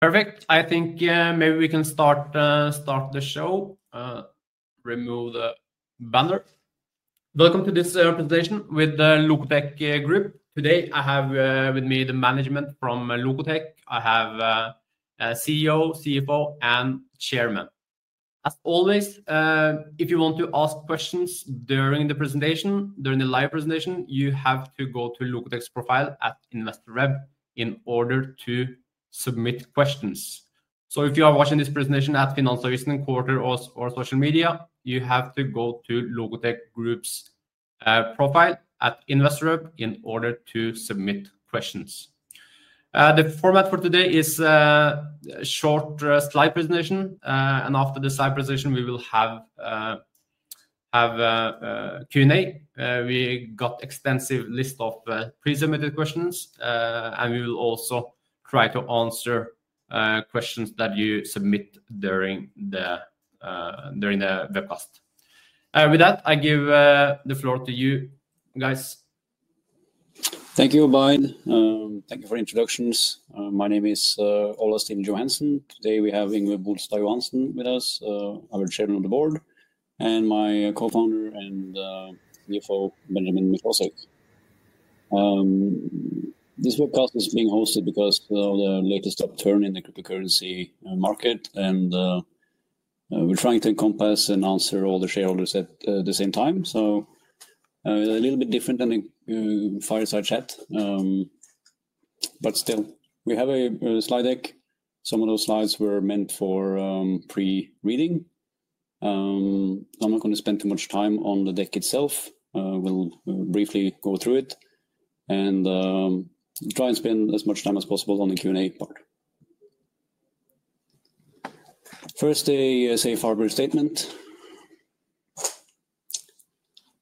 Perfect. I think maybe we can start the show, remove the banner. Welcome to this presentation with the Lokotech Group. Today I have with me the management from Lokotech. I have CEO, CFO, and Chairman. As always, if you want to ask questions during the presentation, during the live presentation, you have to go to Lokotech's profile at Investorweb in order to submit questions. So if you are watching this presentation at Finansavisen quarter or social media, you have to go to Lokotech Group's profile at Investorweb in order to submit questions. The format for today is short slide presentation. After the slide presentation, we will have Q&A. We got an extensive list of pre-submitted questions, and we will also try to answer questions that you submit during the webcast. With that, I give the floor to you guys. Thank you, Ubaid. Thank you for the introductions. My name is Ola Stene-Johansen. Today we have Yngve Johansen with us, our Chairman of the Board, and my Co-Founder and CFO Benjamin Miklozek. This webcast is being hosted because of the latest upturn in the cryptocurrency market, and we're trying to encompass and answer all the shareholders at the same time. So, a little bit different than a fireside chat. But still, we have a slide deck. Some of those slides were meant for pre-reading. I'm not going to spend too much time on the deck itself. We'll briefly go through it and try and spend as much time as possible on the Q&A part. First, a Safe Harbor Statement.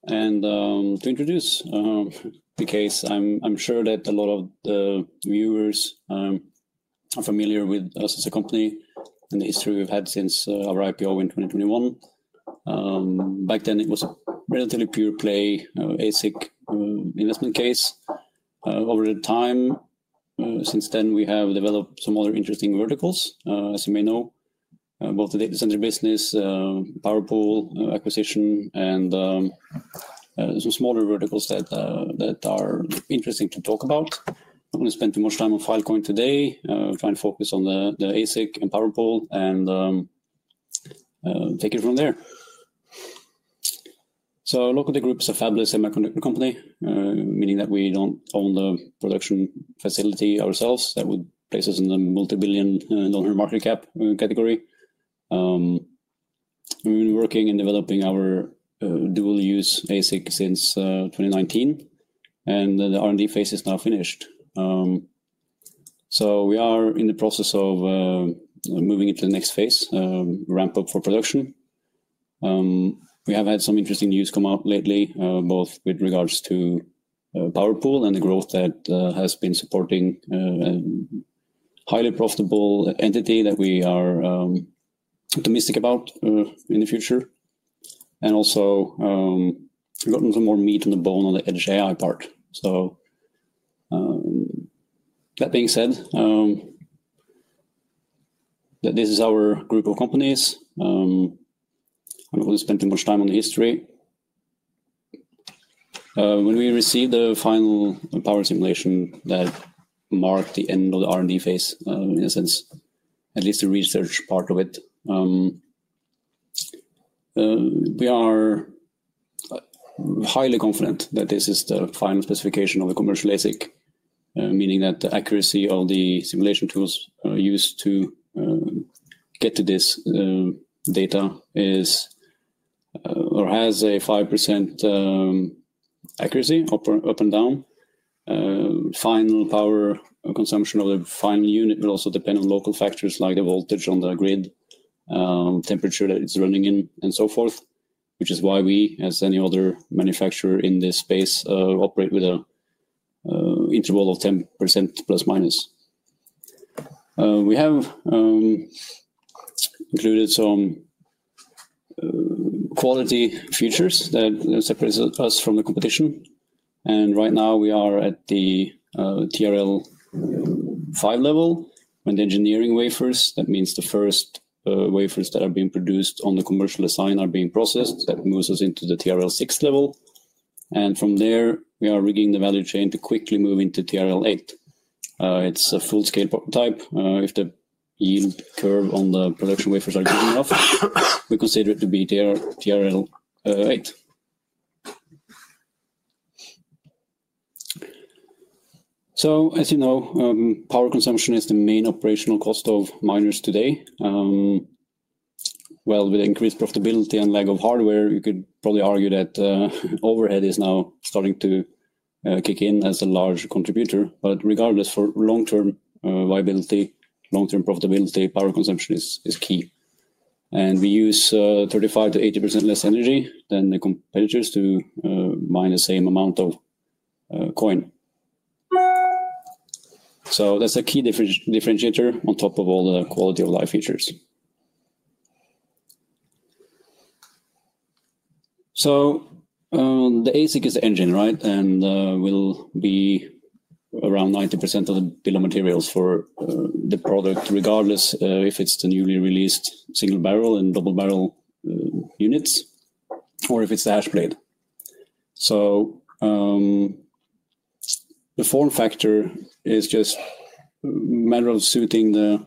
To introduce the case, I'm sure that a lot of the viewers are familiar with us as a company and the history we've had since our IPO in 2021. Back then it was a relatively pure play ASIC investment case. Over time, since then, we have developed some other interesting verticals, as you may know, both the data center business, PowerPool acquisition, and some smaller verticals that are interesting to talk about. I'm going to spend too much time on Filecoin today, try and focus on the ASIC and PowerPool and take it from there. Lokotech Group is a fabless semiconductor company, meaning that we don't own the production facility ourselves. That would place us in the multi-billion-dollar market cap category. We've been working and developing our dual-use ASIC since 2019, and the R&D phase is now finished. We are in the process of moving into the next phase, ramp up for production. We have had some interesting news come out lately, both with regards to PowerPool and the growth that has been supporting a highly profitable entity that we are optimistic about in the future. And also, we've gotten some more meat on the bone on the edge AI part. So, that being said, this is our group of companies. I'm not going to spend too much time on the history. When we received the final power simulation that marked the end of the R&D phase, in a sense, at least the research part of it, we are highly confident that this is the final specification of a commercial ASIC, meaning that the accuracy of the simulation tools used to get to this data has a 5% accuracy up and down. Final power consumption of the final unit will also depend on local factors like the voltage on the grid, temperature that it's running in, and so forth, which is why we, as any other manufacturer in this space, operate with an interval of 10%±. We have included some quality features that separate us from the competition. And right now we are at the TRL 5 level when the engineering wafers, that means the first wafers that are being produced on the commercial silicon are being processed, that moves us into the TRL 6 level. And from there we are building the value chain to quickly move into TRL 8. It's a full-scale tape-out. If the yield curve on the production wafers are good enough, we consider it to be TRL 8. So, as you know, power consumption is the main operational cost of miners today. Well, with increased profitability and lack of hardware, you could probably argue that overhead is now starting to kick in as a large contributor. But regardless, for long-term viability, long-term profitability, power consumption is key. And we use 35%-80% less energy than the competitors to mine the same amount of coin. So that's a key differentiator on top of all the quality of our features. So, the ASIC is the engine, right? And we'll be around 90% of the bill of materials for the product, regardless if it's the newly released SingleBarrel and DoubleBarrel units, or if it's the Hashblade. So, the form factor is just a matter of suiting the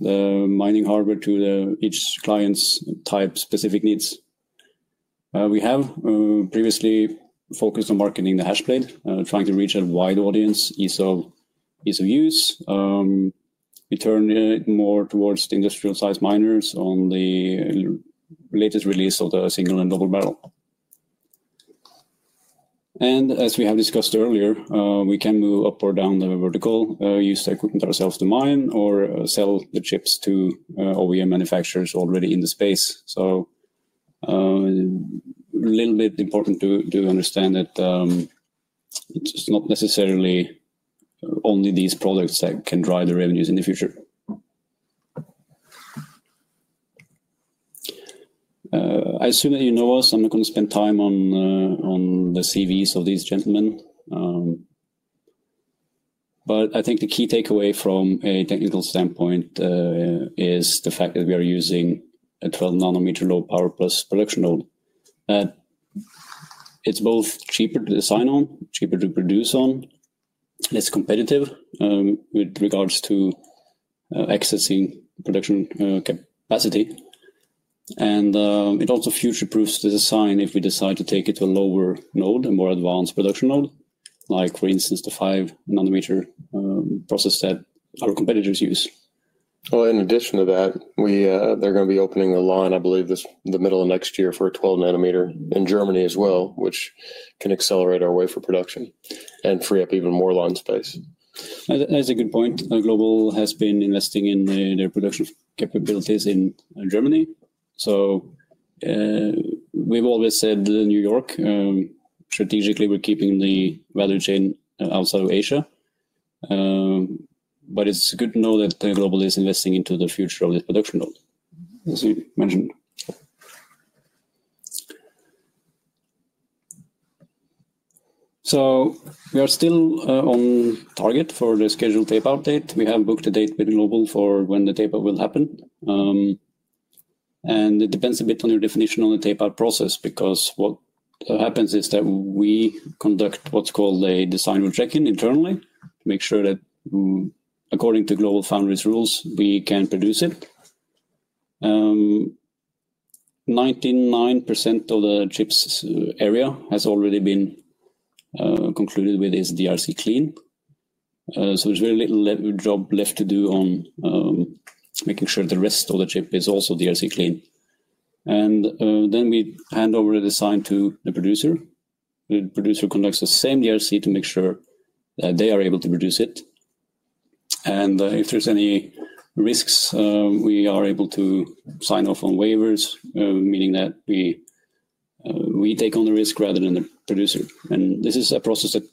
mining hardware to each client's type specific needs. We have previously focused on marketing the Hashblade, trying to reach a wide audience, ease of use. We turned it more towards the industrial-sized miners on the latest release of the SingleBarrel and DoubleBarrel. And as we have discussed earlier, we can move up or down the vertical, use the equipment ourselves to mine or sell the chips to OEM manufacturers already in the space. So, a little bit important to understand that, it's not necessarily only these products that can drive the revenues in the future. I assume that you know us. I'm not going to spend time on the CVs of these gentlemen. But I think the key takeaway from a technical standpoint is the fact that we are using a 12 nm low power plus production node. It's both cheaper to design on, cheaper to produce on, and it's competitive with regards to accessing production capacity. And it also future-proofs the design if we decide to take it to a lower node and more advanced production node, like, for instance, the 5 nm process that our competitors use. In addition to that, they're going to be opening a line, I believe, in the middle of next year for a 12 nm in Germany as well, which can accelerate our wafer production and free up even more line space. That's a good point. GlobalFoundries has been investing in their production capabilities in Germany. So, we've always said in New York, strategically we're keeping the value chain outside of Asia, but it's good to know that GlobalFoundries is investing into the future of this production node, as you mentioned. So we are still on target for the scheduled tape-out date. We have booked a date with GlobalFoundries for when the tape-out will happen, and it depends a bit on your definition on the tape-out process, because what happens is that we conduct what's called a Design Rule Checking internally to make sure that, according to GlobalFoundries' rules, we can produce it. 99% of the chip's area has already been concluded, and is DRC-clean, so there's very little job left to do on making sure the rest of the chip is also DRC-clean. Then we hand over the design to the producer. The producer conducts the same DRC to make sure that they are able to produce it. If there's any risks, we are able to sign off on waivers, meaning that we take on the risk rather than the producer. This is a process that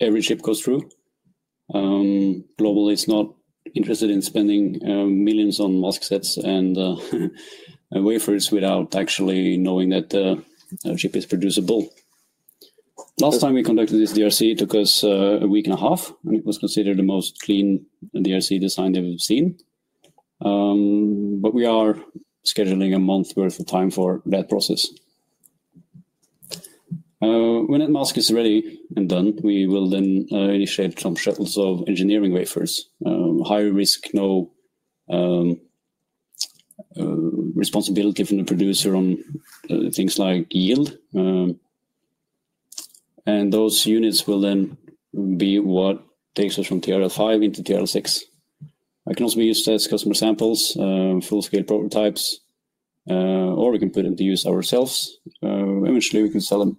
every chip goes through. Global is not interested in spending millions on mask sets and wafers without actually knowing that the chip is producible. Last time we conducted this DRC took us a week and a half, and it was considered the most clean DRC design they've seen. We are scheduling a month's worth of time for that process. When that mask is ready and done, we will then initiate some shuttles of engineering wafers, high risk, no responsibility from the producer on things like yield. And those units will then be what takes us from TRL 5 into TRL 6. They can also be used as customer samples, full-scale prototypes, or we can put them to use ourselves. Eventually we can sell them.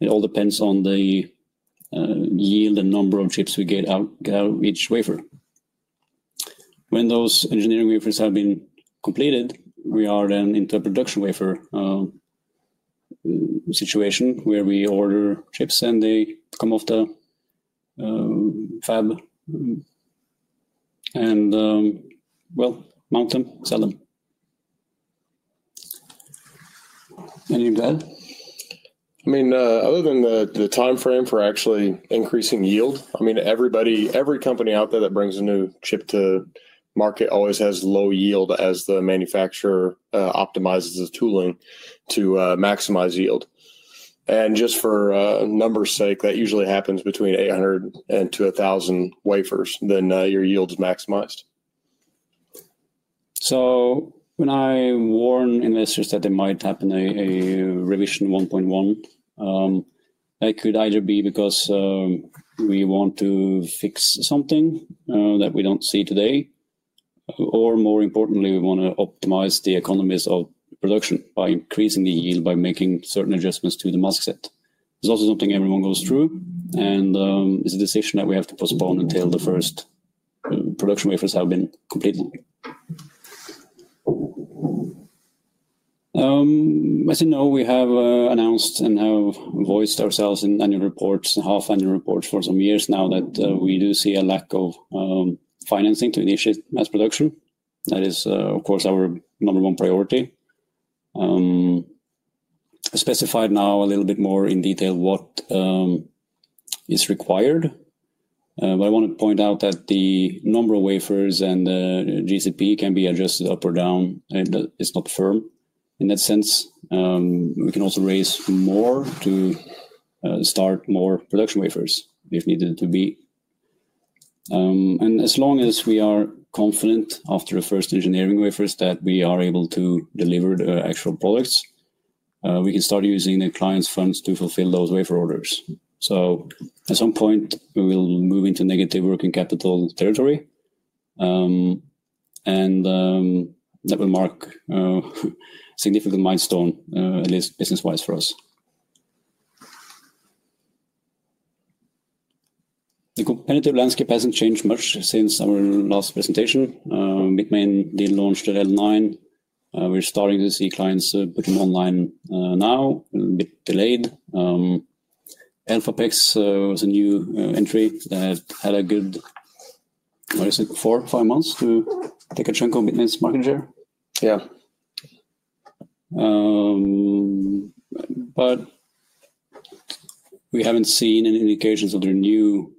It all depends on the yield and number of chips we get out each wafer. When those engineering wafers have been completed, we are then into a production wafer situation where we order chips and they come off the fab and, well, mount them, sell them. Anything to add? I mean, other than the timeframe for actually increasing yield, I mean, everybody, every company out there that brings a new chip to market always has low yield as the manufacturer optimizes the tooling to maximize yield, and just for numbers' sake, that usually happens between 800 to 1,000 wafers, then your yield is maximized. So when I warn investors that there might happen a Revision 1.1, that could either be because we want to fix something that we don't see today, or more importantly, we want to optimize the economies of production by increasing the yield by making certain adjustments to the mask set. It's also something everyone goes through, and it's a decision that we have to postpone until the first production wafers have been completed. As you know, we have announced and have voiced ourselves in annual reports and half-year reports for some years now that we do see a lack of financing to initiate mass production. That is, of course, our number one priority. Specified now a little bit more in detail what is required. But I want to point out that the number of wafers and capex can be adjusted up or down, and it's not firm in that sense. We can also raise more to start more production wafers if needed to be. And as long as we are confident after the first engineering wafers that we are able to deliver the actual products, we can start using the client's funds to fulfill those wafer orders. So at some point, we will move into negative working capital territory, and that will mark significant milestone, at least business-wise for us. The competitive landscape hasn't changed much since our last presentation. Bitmain did launch the L9. We're starting to see clients putting online now, a bit delayed. ElphaPex was a new entry that had a good, what is it, four, five months to take a chunk of Bitmain's market share? Yeah. But we haven't seen any indications of their new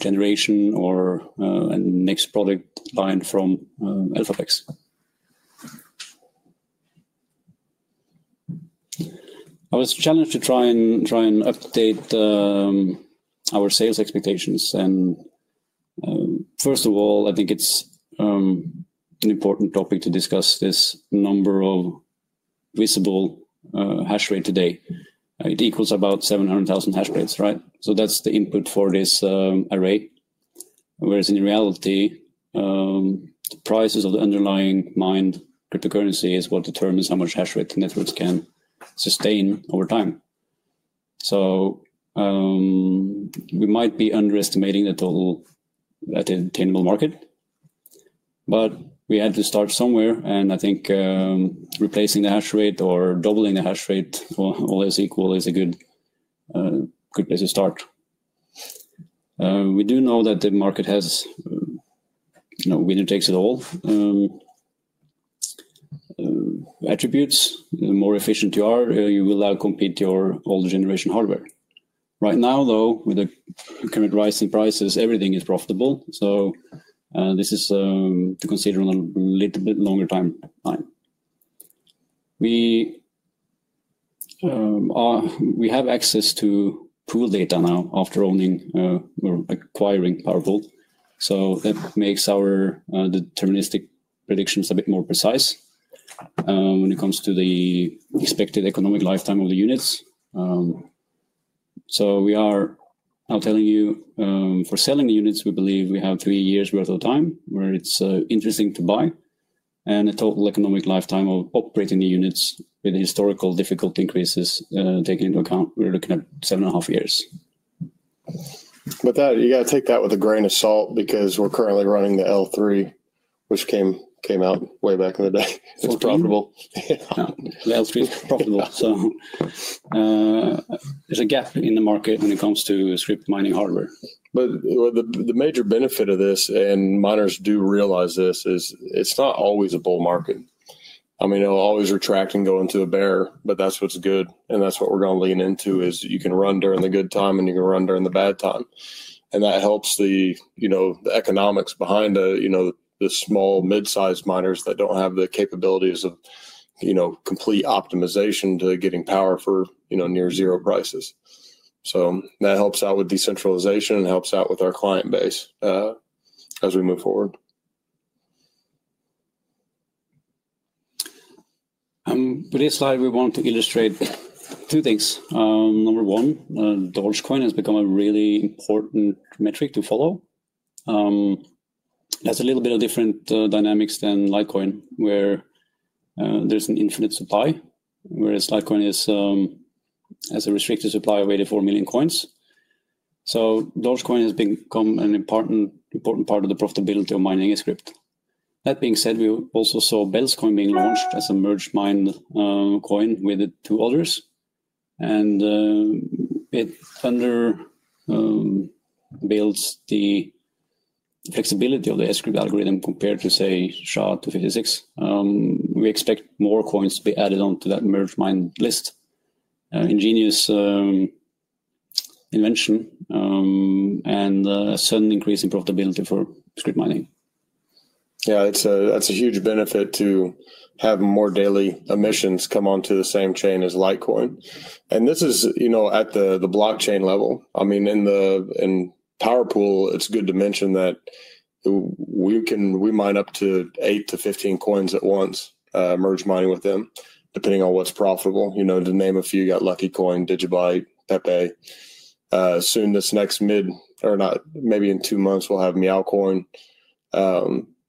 generation or next product line from ElphaPex. I was challenged to try and update our sales expectations. And first of all, I think it's an important topic to discuss this number of visible hash rate today. It equals about 700,000 hash rates, right? So that's the input for this array. Whereas in reality, the prices of the underlying mined cryptocurrency is what determines how much hash rate the networks can sustain over time. So we might be underestimating the total at the attainable market, but we had to start somewhere. And I think replacing the hash rate or doubling the hash rate or as equal is a good place to start. We do know that the market has, you know, winner takes it all attributes. The more efficient you are, you will now compete with your older generation hardware. Right now, though, with the current rising prices, everything is profitable. This is to consider on a little bit longer timeline. We have access to pool data now after owning, or acquiring PowerPool. So that makes our deterministic predictions a bit more precise when it comes to the expected economic lifetime of the units. So we are now telling you, for selling the units, we believe we have three years' worth of time where it's interesting to buy. The total economic lifetime of operating the units with historical difficulty increases, taken into account, we're looking at seven and a half years. With that, you got to take that with a grain of salt, because we're currently running the L3, which came out way back in the day. It's profitable. Yeah, it's profitable. So, there's a gap in the market when it comes to Scrypt mining hardware. But the major benefit of this, and miners do realize this, is it's not always a bull market. I mean, it'll always retract and go into a bear, but that's what's good. And that's what we're going to lean into is you can run during the good time and you can run during the bad time. And that helps the, you know, the economics behind the, you know, the small, mid-sized miners that don't have the capabilities of, you know, complete optimization to getting power for, you know, near zero prices. So that helps out with decentralization and helps out with our client base, as we move forward. With this slide, we want to illustrate two things. Number one, Dogecoin has become a really important metric to follow. That's a little bit of different dynamics than Litecoin, where there's an infinite supply, whereas Litecoin has a restricted supply of 84 million coins. So Dogecoin has become an important, important part of the profitability of mining Scrypt. That being said, we also saw Bellscoin being launched as a merge-mined coin with the two others. And it builds the flexibility of the Scrypt algorithm compared to, say, SHA-256. We expect more coins to be added onto that merge mine list. Ingenious invention and a sudden increase in profitability for Scrypt mining. Yeah, it's a, that's a huge benefit to have more daily emissions come onto the same chain as Litecoin. And this is, you know, at the blockchain level. I mean, in PowerPool, it's good to mention that we mine up to eight to 15 coins at once, merge mining with them, depending on what's profitable. You know, to name a few, you got Luckycoin, DigiByte, Pepe. Soon this next mid or not, maybe in two months, we'll have Meowcoin.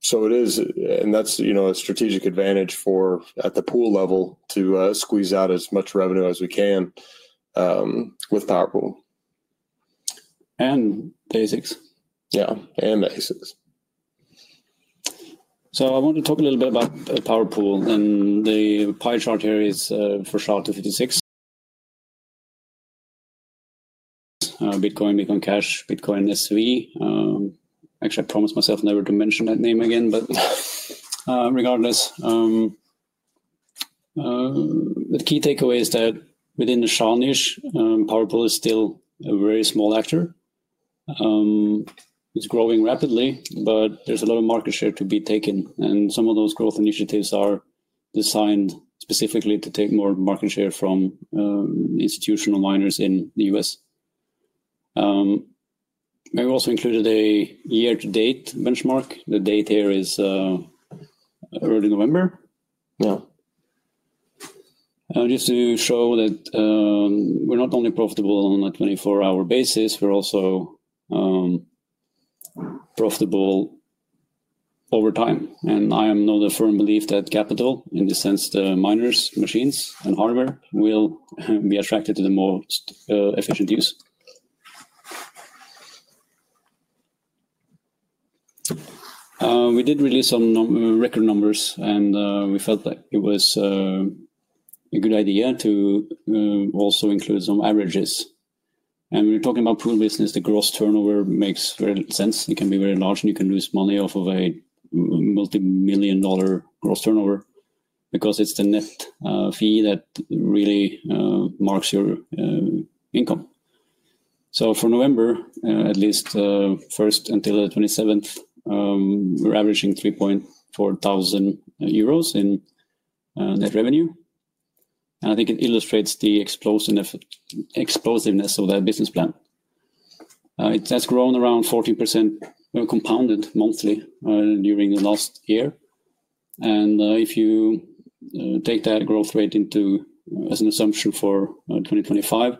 So it is, and that's, you know, a strategic advantage for at the pool level to squeeze out as much revenue as we can, with PowerPool. And ASICs. Yeah, and ASICs. I want to talk a little bit about PowerPool. The pie chart here is for SHA-256. Bitcoin, Bitcoin Cash, Bitcoin SV. Actually, I promised myself never to mention that name again, but regardless, the key takeaway is that within the SHA niche, PowerPool is still a very small actor. It's growing rapidly, but there's a lot of market share to be taken. Some of those growth initiatives are designed specifically to take more market share from institutional miners in the U.S. We also included a year-to-date benchmark. The date here is early November. Yeah. Just to show that, we're not only profitable on a 24-hour basis, we're also profitable over time. And I am of the firm belief that capital in this sense, the miners, machines, and hardware will be attracted to the most efficient use. We did release some record numbers, and we felt that it was a good idea to also include some averages. And when you're talking about pool business, the gross turnover makes great sense. It can be very large, and you can lose money off of a multimillion-dollar gross turnover, because it's the net fee that really marks your income. So for November, at least 1st until the 27th, we're averaging EUR 3,400 in net revenue. And I think it illustrates the explosiveness of that business plan. It has grown around 14% compounded monthly during the last year. If you take that growth rate into as an assumption for 2025,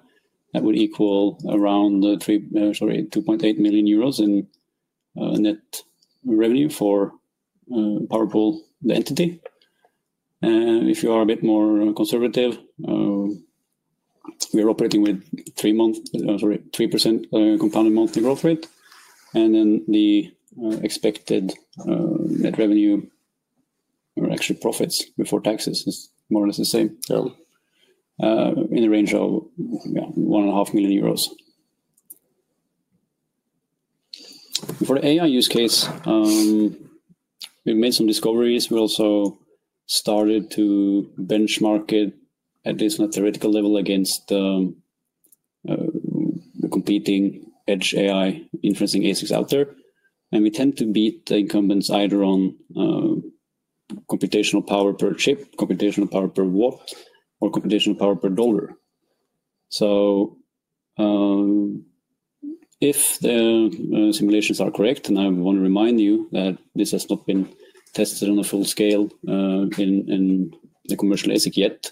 that would equal around, sorry, 2.8 million euros in net revenue for PowerPool, the entity. If you are a bit more conservative, we're operating with three months, sorry, 3% compounded monthly growth rate. Then the expected net revenue, or actually profits before taxes, is more or less the same, in the range of 1.5 million euros. For the AI use case, we've made some discoveries. We also started to benchmark it at least on a theoretical level against the competing edge AI inferencing ASICs out there. We tend to beat the incumbents either on computational power per chip, computational power per watt, or computational power per dollar. So, if the simulations are correct, and I want to remind you that this has not been tested on a full scale in the commercial ASIC yet,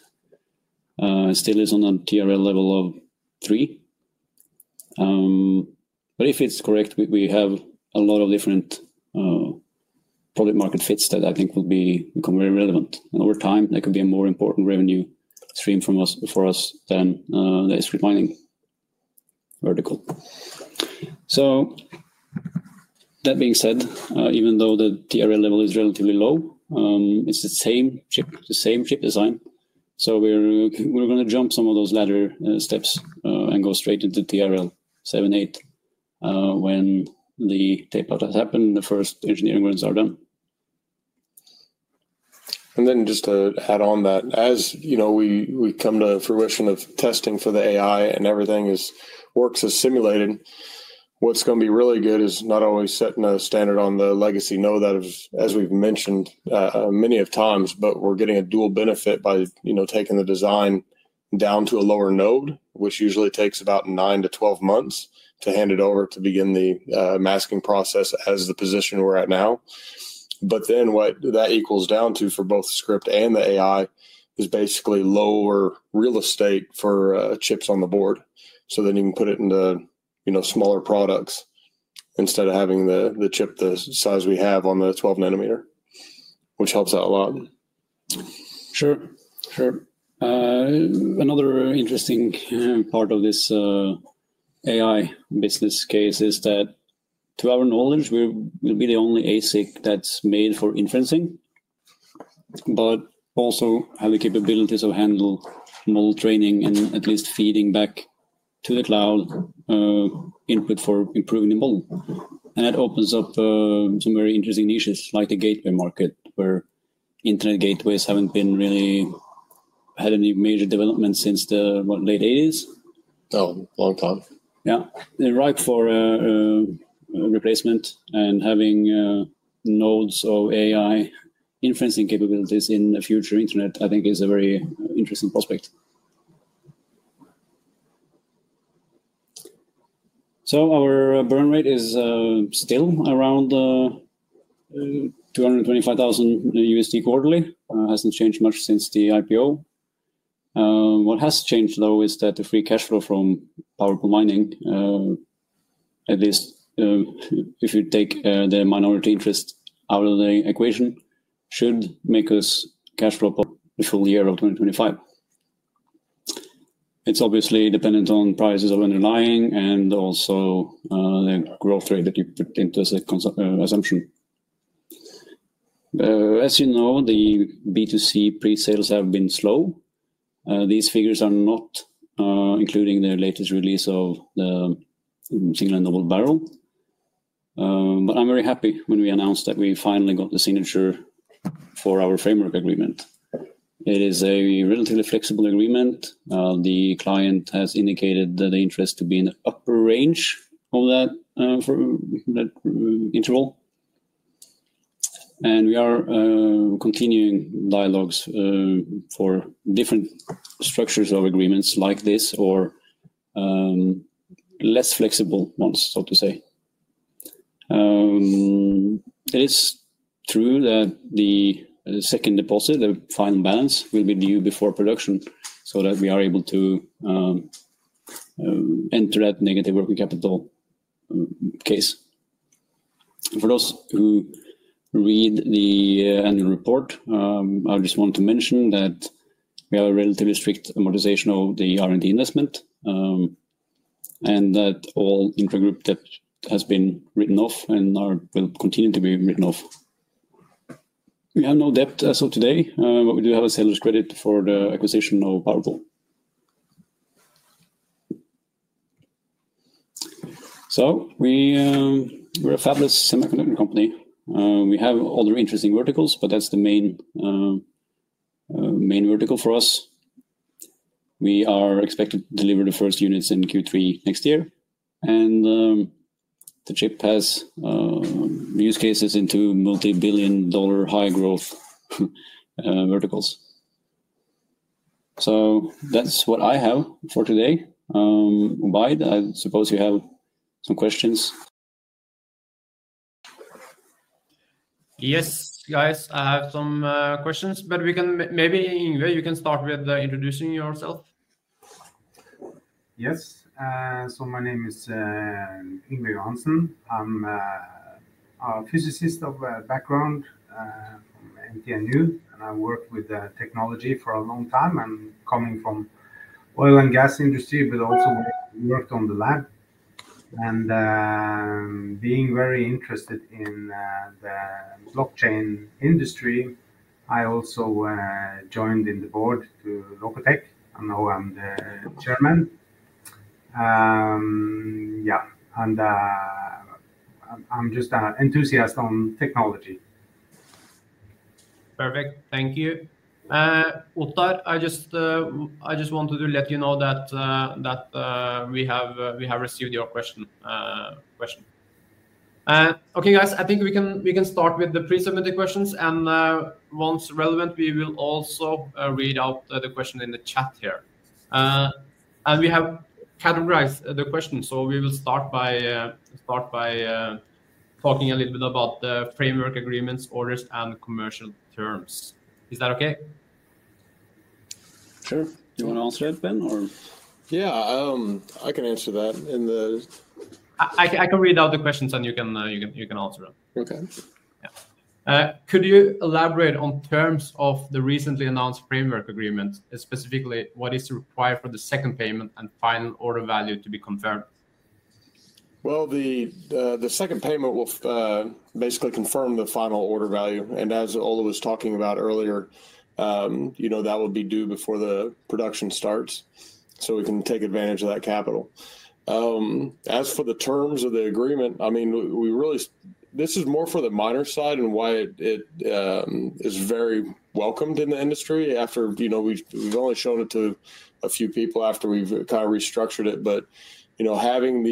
it still is on a TRL level 3. But if it's correct, we have a lot of different product market fits that I think will become very relevant. And over time, that could be a more important revenue stream for us than the Scrypt mining vertical. So that being said, even though the TRL level is relatively low, it's the same chip, the same chip design. So we're going to jump some of those latter steps and go straight into TRL 7, 8, when the tape-out has happened, the first engineering runs are done. Then just to add on that, as you know, we come to fruition of testing for the AI and everything works as simulated. What's going to be really good is not only setting a standard on the legacy node, as we've mentioned many times, but we're getting a dual benefit by, you know, taking the design down to a lower node, which usually takes about nine to 12 months to hand it over to begin the masking process as the position we're at now. But then what that equals down to for both the Scrypt and the AI is basically lower real estate for chips on the board. So then you can put it into, you know, smaller products instead of having the chip the size we have on the 12 nm, which helps out a lot. Sure, sure. Another interesting part of this AI business case is that to our knowledge, we'll be the only ASIC that's made for inferencing, but also have the capabilities of handle model training and at least feeding back to the cloud, input for improving the model. And that opens up some very interesting niches, like the gateway market, where internet gateways haven't really had any major development since the, what, late 80s. Oh, long time. Yeah. The right for replacement and having nodes or AI inferencing capabilities in the future internet, I think is a very interesting prospect. So our burn rate is still around $225,000 quarterly. It hasn't changed much since the IPO. What has changed, though, is that the free cash flow from PowerPool Mining, at least if you take the minority interest out of the equation, should make us cash flow positive the full year of 2025. It's obviously dependent on prices of underlying and also the growth rate that you put into the assumption. As you know, the B2C pre-sales have been slow. These figures are not including the latest release of the Single and DoubleBarrel. But I'm very happy when we announced that we finally got the signature for our framework agreement. It is a relatively flexible agreement. The client has indicated that the interest to be in the upper range of that, for that interval. We are continuing dialogues for different structures of agreements like this or less flexible ones, so to say. It is true that the second deposit, the final balance, will be due before production so that we are able to enter that negative working capital case. For those who read the annual report, I just want to mention that we have a relatively strict amortization of the R&D investment, and that all intra-group debt has been written off and will continue to be written off. We have no debt as of today, but we do have a seller's credit for the acquisition of PowerPool. So we, we're a fabless semiconductor company. We have other interesting verticals, but that's the main, main vertical for us. We are expected to deliver the first units in Q3 next year, and the chip has use cases into multi-billion dollar high growth verticals, so that's what I have for today. Ubaid, I suppose you have some questions. Yes, guys, I have some questions, but we can maybe, Yngve, you can start with introducing yourself. Yes. So my name is Yngve Johansen. I'm a physicist of background from NTNU, and I worked with technology for a long time. I'm coming from the oil and gas industry, but also worked on the lab. Being very interested in the blockchain industry, I also joined in the Board to Lokotech and now I'm the Chairman. Yeah, and I'm just an enthusiast on technology. Perfect. Thank you. With that, I just wanted to let you know that we have received your question. Okay, guys, I think we can start with the pre-submitted questions. Once relevant, we will also read out the question in the chat here. We have categorized the questions. We will start by talking a little bit about the framework agreements, orders, and commercial terms. Is that okay? Sure. Do you want to answer it, Ben, or? Yeah, I can answer that. I can read out the questions, and you can answer them. Okay. Yeah. Could you elaborate on terms of the recently announced framework agreement, specifically what is required for the second payment and final order value to be confirmed? The second payment will basically confirm the final order value. And as Ola was talking about earlier, you know, that would be due before the production starts so we can take advantage of that capital. As for the terms of the agreement, I mean, we really, this is more for the miner side and why it is very welcomed in the industry after, you know, we've only shown it to a few people after we've kind of restructured it. But, you know, having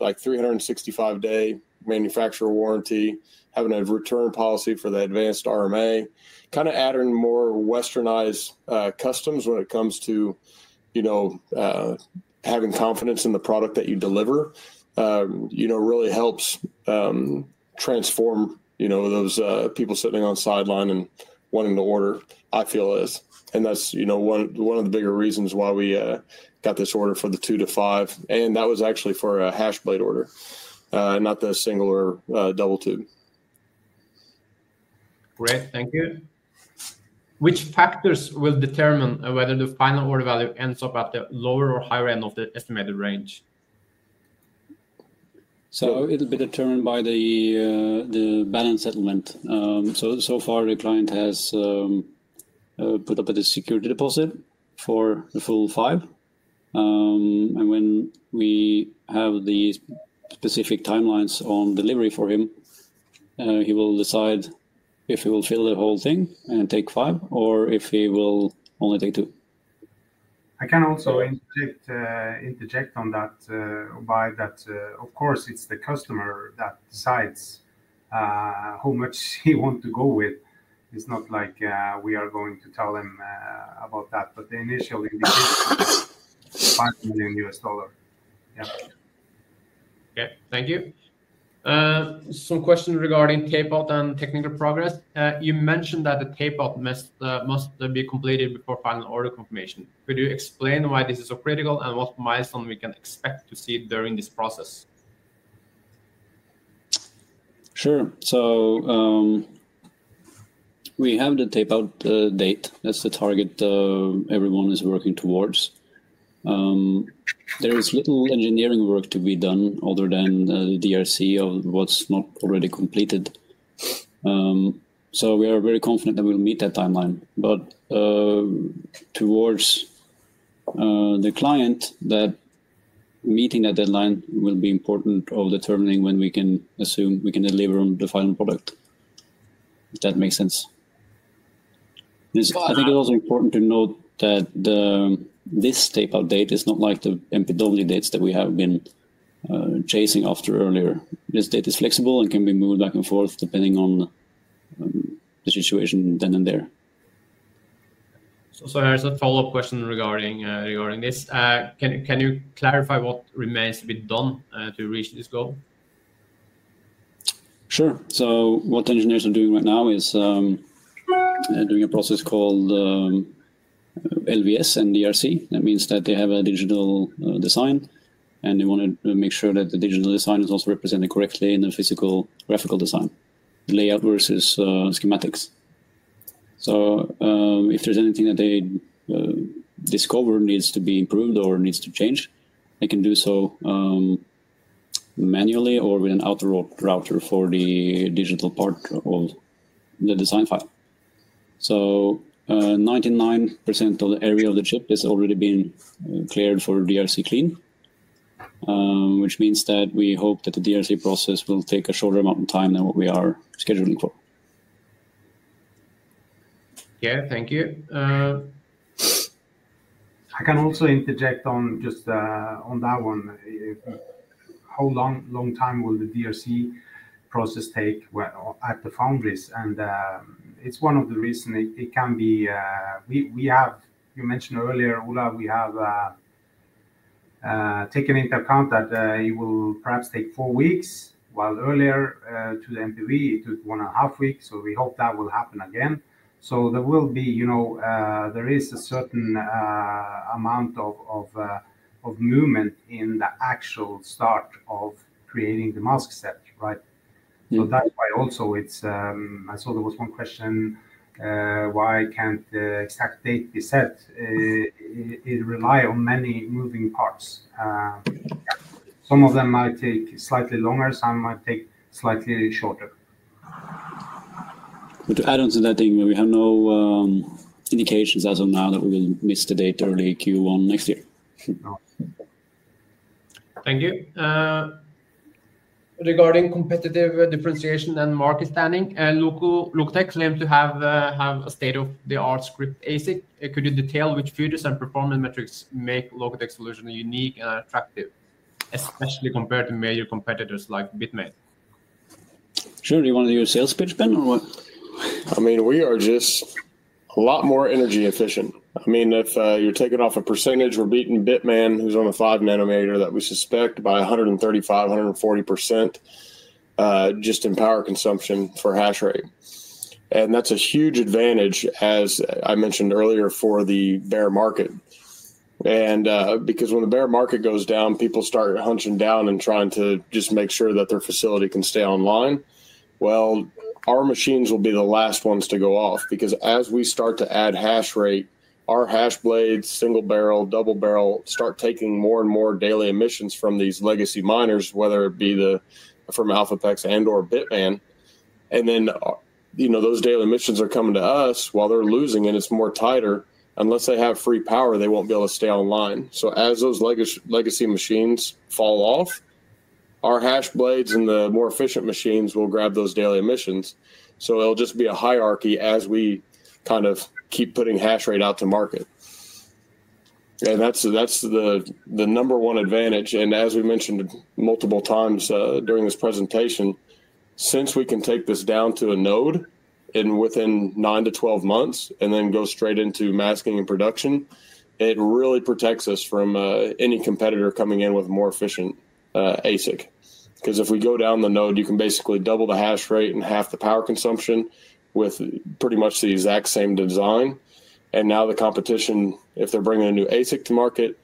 like 365-day manufacturer warranty, having a return policy for the advanced RMA, kind of adding more westernized customs when it comes to, you know, having confidence in the product that you deliver, you know, really helps transform, you know, those people sitting on the sideline and wanting to order, I feel it is. That's, you know, one of the bigger reasons why we got this order for the two to five. And that was actually for a Hashblade order, not the Single or Double. Great. Thank you. Which factors will determine whether the final order value ends up at the lower or higher end of the estimated range? So it'll be determined by the balance settlement. So far, the client has put up a security deposit for the full five. And when we have the specific timelines on delivery for him, he will decide if he will fill the whole thing and take five or if he will only take two. I can also interject on that, Ubaid, that, of course, it's the customer that decides how much he wants to go with. It's not like we are going to tell them about that, but the initial indication is $5 million. Yeah. Okay. Thank you. Some questions regarding tape-out and technical progress. You mentioned that the tape-out must be completed before final order confirmation. Could you explain why this is so critical and what milestone we can expect to see during this process? Sure. So, we have the tape-out date. That's the target everyone is working towards. There is little engineering work to be done other than the DRC of what's not already completed. So we are very confident that we'll meet that timeline. But towards the client, that meeting that deadline will be important of determining when we can assume we can deliver the final product, if that makes sense. I think it's also important to note that this tape-out date is not like the MPW dates that we have been chasing after earlier. This date is flexible and can be moved back and forth depending on the situation then and there. Sorry, I have a follow-up question regarding this. Can you clarify what remains to be done to reach this goal? Sure. So what the engineers are doing right now is, they're doing a process called LVS and DRC. That means that they have a digital design, and they want to make sure that the digital design is also represented correctly in the physical graphical design, layout versus schematic. So, if there's anything that they discover needs to be improved or needs to change, they can do so, manually or with an auto router for the digital part of the design file. So, 99% of the area of the chip has already been cleared for DRC-clean, which means that we hope that the DRC process will take a shorter amount of time than what we are scheduling for. Yeah. Thank you. I can also interject on just, on that one. How long will the DRC process take at the foundries? And it's one of the reasons it can be. We have, you mentioned earlier, Ola, we have taken into account that it will perhaps take four weeks, while earlier to the MPW it took one and a half weeks. So we hope that will happen again. So there will be, you know, there is a certain amount of movement in the actual start of creating the mask set, right? So that's why also it's, I saw there was one question, why can't the exact date be set? It relies on many moving parts. Some of them might take slightly longer, some might take slightly shorter. To add on to that, Yngve, we have no indications as of now that we will miss the date early Q1 next year. Thank you. Regarding competitive differentiation and market standing, Lokotech claims to have a state-of-the-art Scrypt ASIC. Could you detail which features and performance metrics make Lokotech's solution unique and attractive, especially compared to major competitors like Bitmain? Sure. Do you want to use sales pitch, Ben, or what? I mean, we are just a lot more energy efficient. I mean, if you're taking off a percentage we're beating Bitmain, who's on the 5 nm that we suspect, by 135%-140%, just in power consumption for hash rate. And that's a huge advantage, as I mentioned earlier, for the bear market. And because when the bear market goes down, people start hunching down and trying to just make sure that their facility can stay online. Well, our machines will be the last ones to go off because as we start to add hash rate, our Hashblades, SingleBarrel, DoubleBarrel start taking more and more daily emissions from these legacy miners, whether it be from ElphaPex and/or Bitmain. And then, you know, those daily emissions are coming to us while they're losing, and it's more tighter. Unless they have free power, they won't be able to stay online. So as those legacy machines fall off, our Hashblades and the more efficient machines will grab those daily emissions. So it'll just be a hierarchy as we kind of keep putting hash rate out to market. That's the number one advantage. As we mentioned multiple times during this presentation, since we can take this down to a node within 9-12 months and then go straight into masking and production, it really protects us from any competitor coming in with more efficient ASIC. Because if we go down the node, you can basically double the hash rate and half the power consumption with pretty much the exact same design. Now the competition, if they're bringing a new ASIC to market,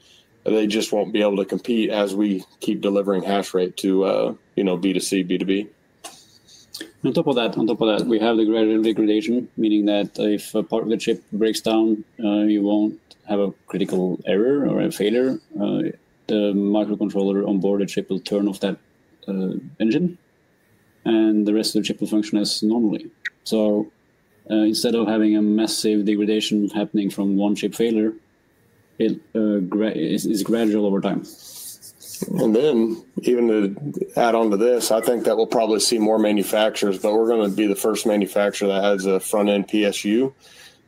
they just won't be able to compete as we keep delivering hash rate to, you know, B2C, B2B. On top of that, we have the gradual degradation, meaning that if a part of the chip breaks down, you won't have a critical error or a failure. The microcontroller on board the chip will turn off that engine, and the rest of the chip will function as normally. So, instead of having a massive degradation happening from one chip failure, it is gradual over time. Then even to add on to this, I think that we'll probably see more manufacturers, but we're going to be the first manufacturer that has a front-end PSU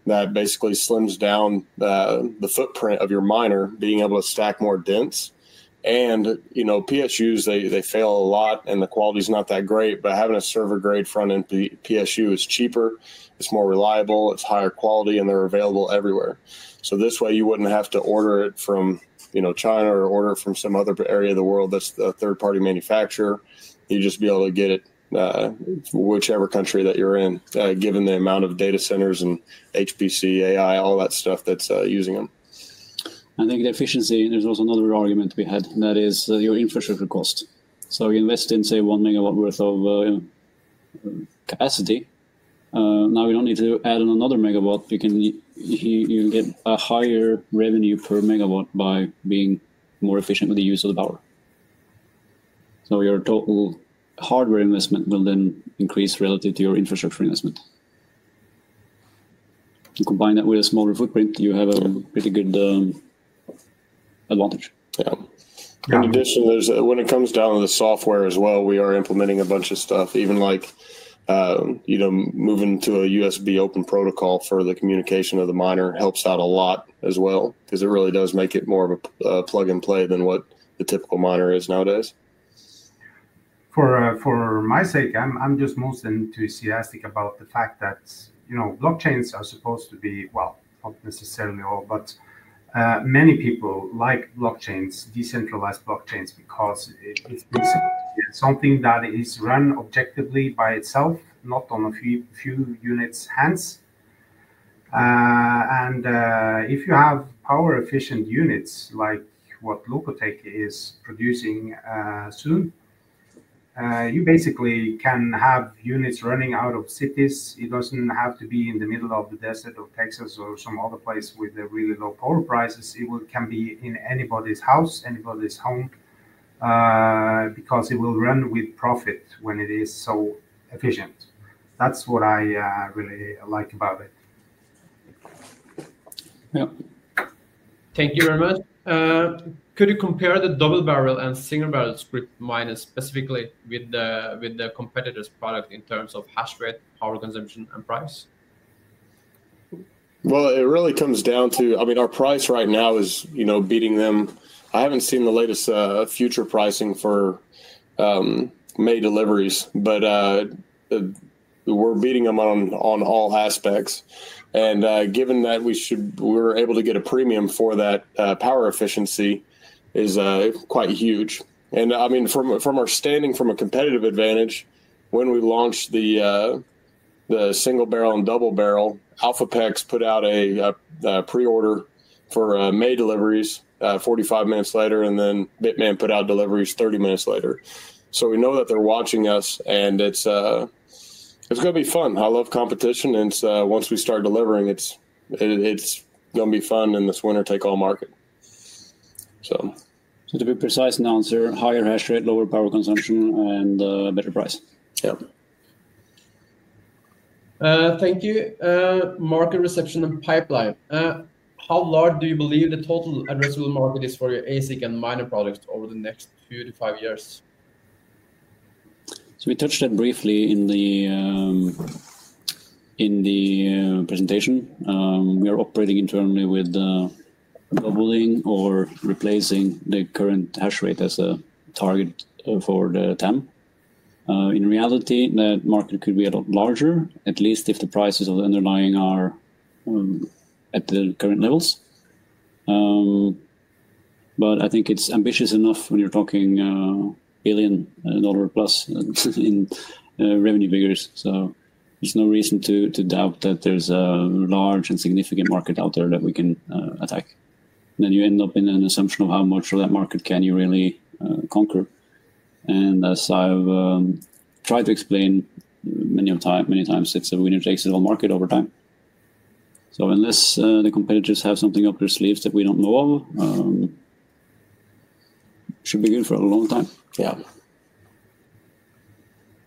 that basically slims down the footprint of your miner, being able to stack more units. You know, PSUs, they fail a lot, and the quality is not that great. But having a server-grade front-end PSU is cheaper, it's more reliable, it's higher quality, and they're available everywhere. So this way, you wouldn't have to order it from, you know, China or order it from some other area of the world that's a third-party manufacturer. You'd just be able to get it, whichever country that you're in, given the amount of data centers and HPC, AI, all that stuff that's using them. I think the efficiency, there's also another argument we had, and that is your infrastructure cost. So you invest in, say, 1 MW worth of capacity. Now we don't need to add another megawatt. You can, you can get a higher revenue per megawatt by being more efficient with the use of the power. So your total hardware investment will then increase relative to your infrastructure investment. Combine that with a smaller footprint, you have a pretty good advantage. Yeah. In addition, there's, when it comes down to the software as well, we are implementing a bunch of stuff, even like, you know, moving to a USB open protocol for the communication of the miner helps out a lot as well, because it really does make it more of a plug and play than what the typical miner is nowadays. For my sake, I'm just most enthusiastic about the fact that, you know, blockchains are supposed to be, well, not necessarily all, but many people like blockchains, decentralized blockchains, because it's something that is run objectively by itself, not in a few units' hands, and if you have power-efficient units like what Lokotech is producing, soon you basically can have units running out of cities. It doesn't have to be in the middle of the desert of Texas or some other place with really low power prices. It can be in anybody's house, anybody's home, because it will run with profit when it is so efficient. That's what I really like about it. Yeah. Thank you very much. Could you compare the DoubleBarrel and SingleBarrel Scrypt miners specifically with the competitor's product in terms of hash rate, power consumption, and price? It really comes down to, I mean, our price right now is, you know, beating them. I haven't seen the latest, future pricing for, May deliveries, but, we're beating them on, on all aspects. Given that we should, we're able to get a premium for that, power efficiency is quite huge. I mean, from, from our standing, from a competitive advantage, when we launched the SingleBarrel and DoubleBarrel, ElphaPex put out a, pre-order for, May deliveries, 45 minutes later, and then Bitmain put out deliveries 30 minutes later. We know that they're watching us, and it's, it's going to be fun. I love competition, and it's, once we start delivering, it's, it's going to be fun in this winner-take-all market. To be precise now, it's higher hash rate, lower power consumption, and better price. Yeah. Thank you. Market reception and pipeline. How large do you believe the total addressable market is for your ASIC and miner products over the next two to five years? So we touched on it briefly in the presentation. We are operating internally with doubling or replacing the current hash rate as a target for the TAM. In reality, that market could be a lot larger, at least if the prices of the underlying are at the current levels. But I think it's ambitious enough when you're talking billion dollar plus in revenue figures. So there's no reason to doubt that there's a large and significant market out there that we can attack. Then you end up in an assumption of how much of that market can you really conquer. And as I've tried to explain many times, it's a winner takes it all market over time. So unless the competitors have something up their sleeves that we don't know of, it should be good for a long time. Yeah.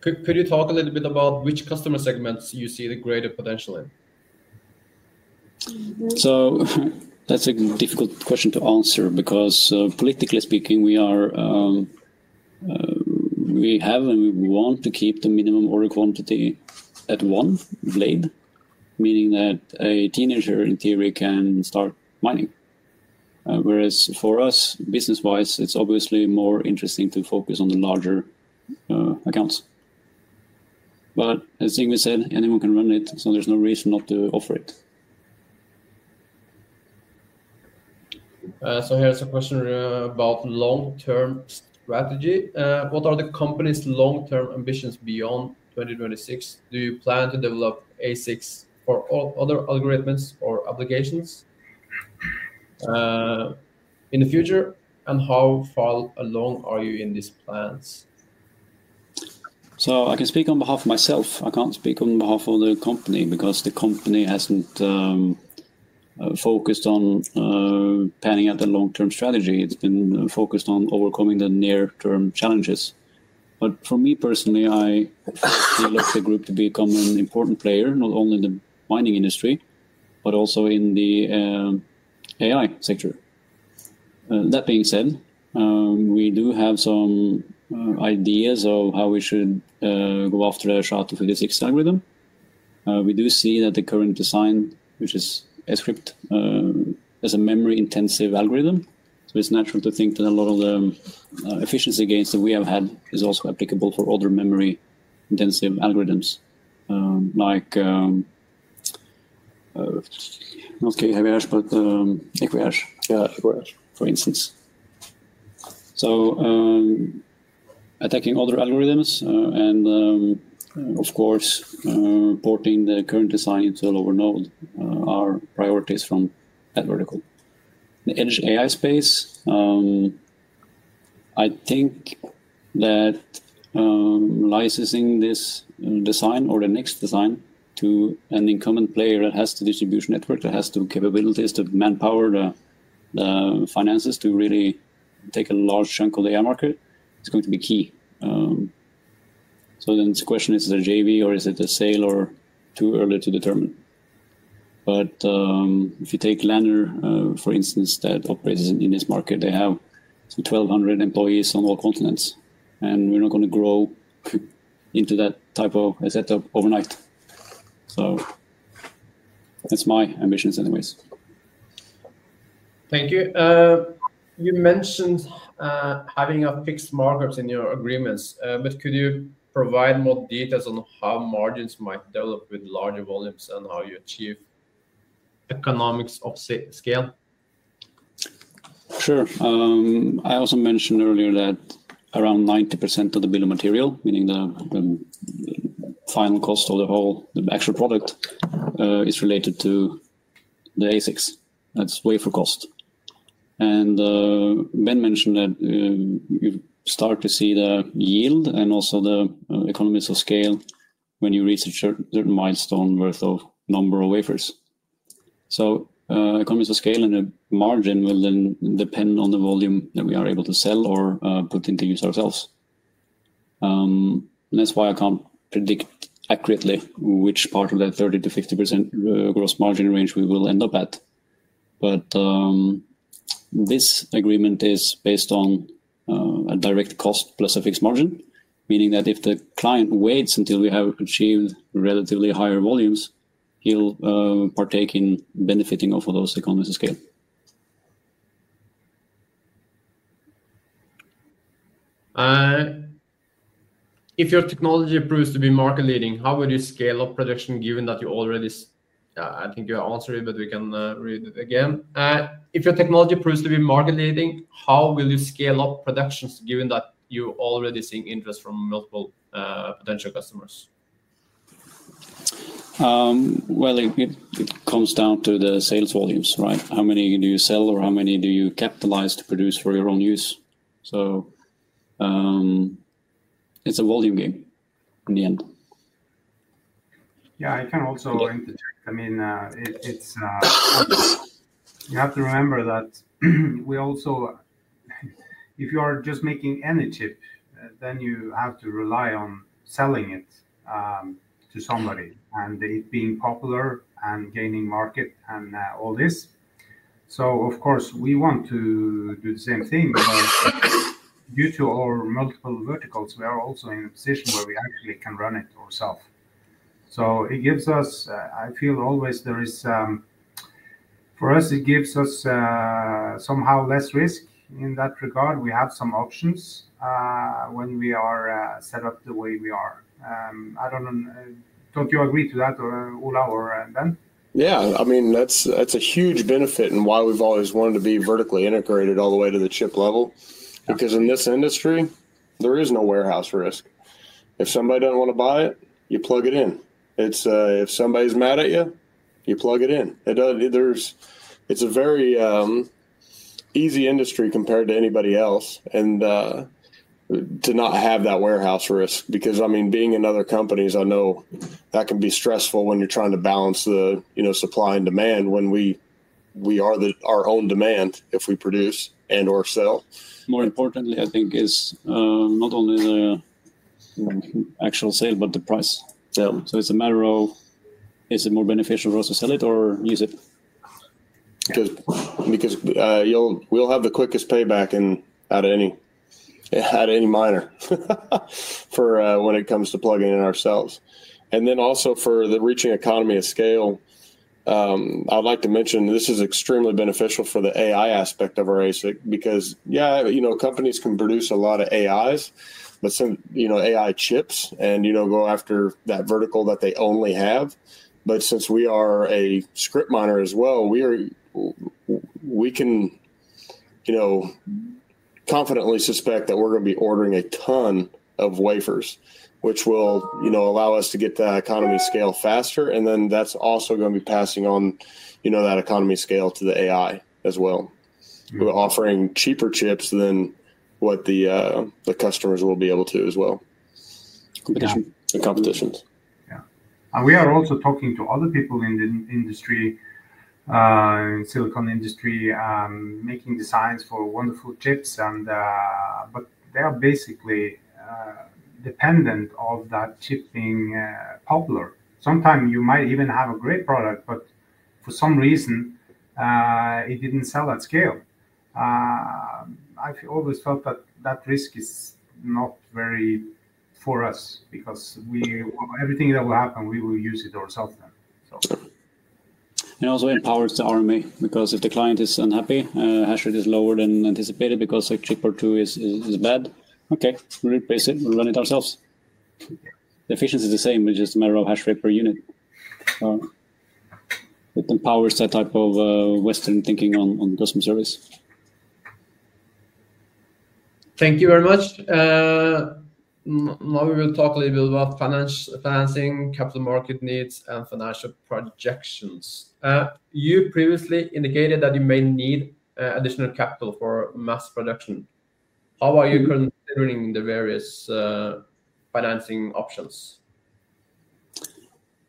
Could you talk a little bit about which customer segments you see the greater potential in? So that's a difficult question to answer because, politically speaking, we are, we have and we want to keep the minimum order quantity at one blade, meaning that a teenager in theory can start mining. Whereas for us, business-wise, it's obviously more interesting to focus on the larger accounts. But as Yngve said, anyone can run it, so there's no reason not to offer it. So here's a question about long-term strategy. What are the company's long-term ambitions beyond 2026? Do you plan to develop ASICs for other algorithms or applications, in the future? And how far along are you in these plans? So I can speak on behalf of myself. I can't speak on behalf of the company because the company hasn't focused on panning out the long-term strategy. It's been focused on overcoming the near-term challenges. But for me personally, I look to the group to become an important player, not only in the mining industry, but also in the AI sector. That being said, we do have some ideas of how we should go after the SHA-256 algorithm. We do see that the current design, which is a Scrypt, is a memory-intensive algorithm. So it's natural to think that a lot of the efficiency gains that we have had is also applicable for other memory-intensive algorithms, like not SHA-256, but Ethash for instance. So attacking other algorithms, and of course porting the current design into a lower node, are priorities from that vertical. The edge AI space, I think that, licensing this design or the next design to an incoming player that has the distribution network, that has the capabilities to manpower the, the finances to really take a large chunk of the AI market, it's going to be key. So then the question is, is it a JV or is it a sale or too early to determine? But, if you take Lanner, for instance, that operates in this market, they have 1,200 employees on all continents, and we're not going to grow into that type of a setup overnight. So that's my ambitions anyways. Thank you. You mentioned having fixed markups in your agreements, but could you provide more details on how margins might develop with larger volumes and how you achieve economies of scale? Sure. I also mentioned earlier that around 90% of the bill of material, meaning the final cost of the whole actual product, is related to the ASICs. That's wafer cost, and Ben mentioned that you start to see the yield and also the economies of scale when you reach a certain milestone worth of number of wafers, so economies of scale and the margin will then depend on the volume that we are able to sell or put into use ourselves, and that's why I can't predict accurately which part of that 30%-50% gross margin range we will end up at, but this agreement is based on a direct cost plus a fixed margin, meaning that if the client waits until we have achieved relatively higher volumes, he'll partake in benefiting off of those economies of scale. If your technology proves to be market-leading, how would you scale up production given that you already, I think you answered it, but we can read it again. If your technology proves to be market-leading, how will you scale up production given that you already see interest from multiple, potential customers? Well, it comes down to the sales volumes, right? How many do you sell or how many do you capitalize to produce for your own use? So, it's a volume game in the end. Yeah, I can also interject. I mean, it's you have to remember that we also, if you are just making any chip, then you have to rely on selling it to somebody and it being popular and gaining market and all this. So, of course, we want to do the same thing, but due to our multiple verticals, we are also in a position where we actually can run it ourselves. So it gives us, I feel always there is, for us, it gives us somehow less risk in that regard. We have some options when we are set up the way we are. I don't know, don't you agree to that, Ola or Ben? Yeah, I mean, that's a huge benefit and why we've always wanted to be vertically integrated all the way to the chip level, because in this industry, there is no warehouse risk. If somebody doesn't want to buy it, you plug it in. It's, if somebody's mad at you, you plug it in. It's a very easy industry compared to anybody else and to not have that warehouse risk, because, I mean, being in other companies, I know that can be stressful when you're trying to balance the, you know, supply and demand when we are our own demand if we produce and/or sell. More importantly, I think, is not only the actual sale, but the price. Sale. So it's a matter of, is it more beneficial for us to sell it or use it? Because we'll have the quickest payback out of any miner for when it comes to plugging in ourselves. And then also for the reaching economy of scale, I'd like to mention this is extremely beneficial for the AI aspect of our ASIC, because yeah, you know, companies can produce a lot of AIs, but some, you know, AI chips and, you know, go after that vertical that they only have. But since we are a Scrypt miner as well, we can, you know, confidently suspect that we're going to be ordering a ton of wafers, which will, you know, allow us to get the economy scale faster. And then that's also going to be passing on, you know, that economy of scale to the AI as well. We're offering cheaper chips than what the customers will be able to as well. Competition. The competitions. Yeah. And we are also talking to other people in the industry, in the silicon industry, making designs for wonderful chips and, but they are basically dependent of that chip being popular. Sometimes you might even have a great product, but for some reason, it didn't sell at scale. I always felt that that risk is not very for us because we, everything that will happen, we will use it ourselves. It also empowers the RMA because if the client is unhappy, hash rate is lower than anticipated because a chip or two is bad. Okay, we replace it, we run it ourselves. The efficiency is the same, it's just a matter of hash rate per unit. It empowers that type of Western thinking on customer service. Thank you very much. Now we will talk a little bit about finance, financing, capital market needs and financial projections. You previously indicated that you may need additional capital for mass production. How are you considering the various financing options?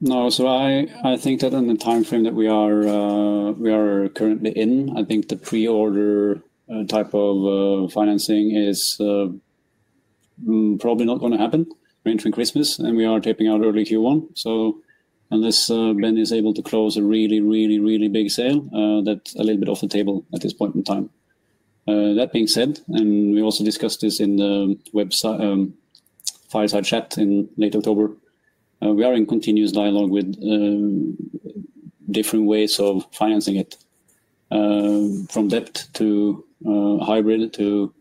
No, so I think that in the timeframe that we are currently in, the pre-order type of financing is probably not going to happen right between Christmas and we are taping out early Q1, so unless Ben is able to close a really big sale, that's a little bit off the table at this point in time. That being said, and we also discussed this in the website fireside chat in late October, we are in continuous dialogue with different ways of financing it, from debt to hybrid to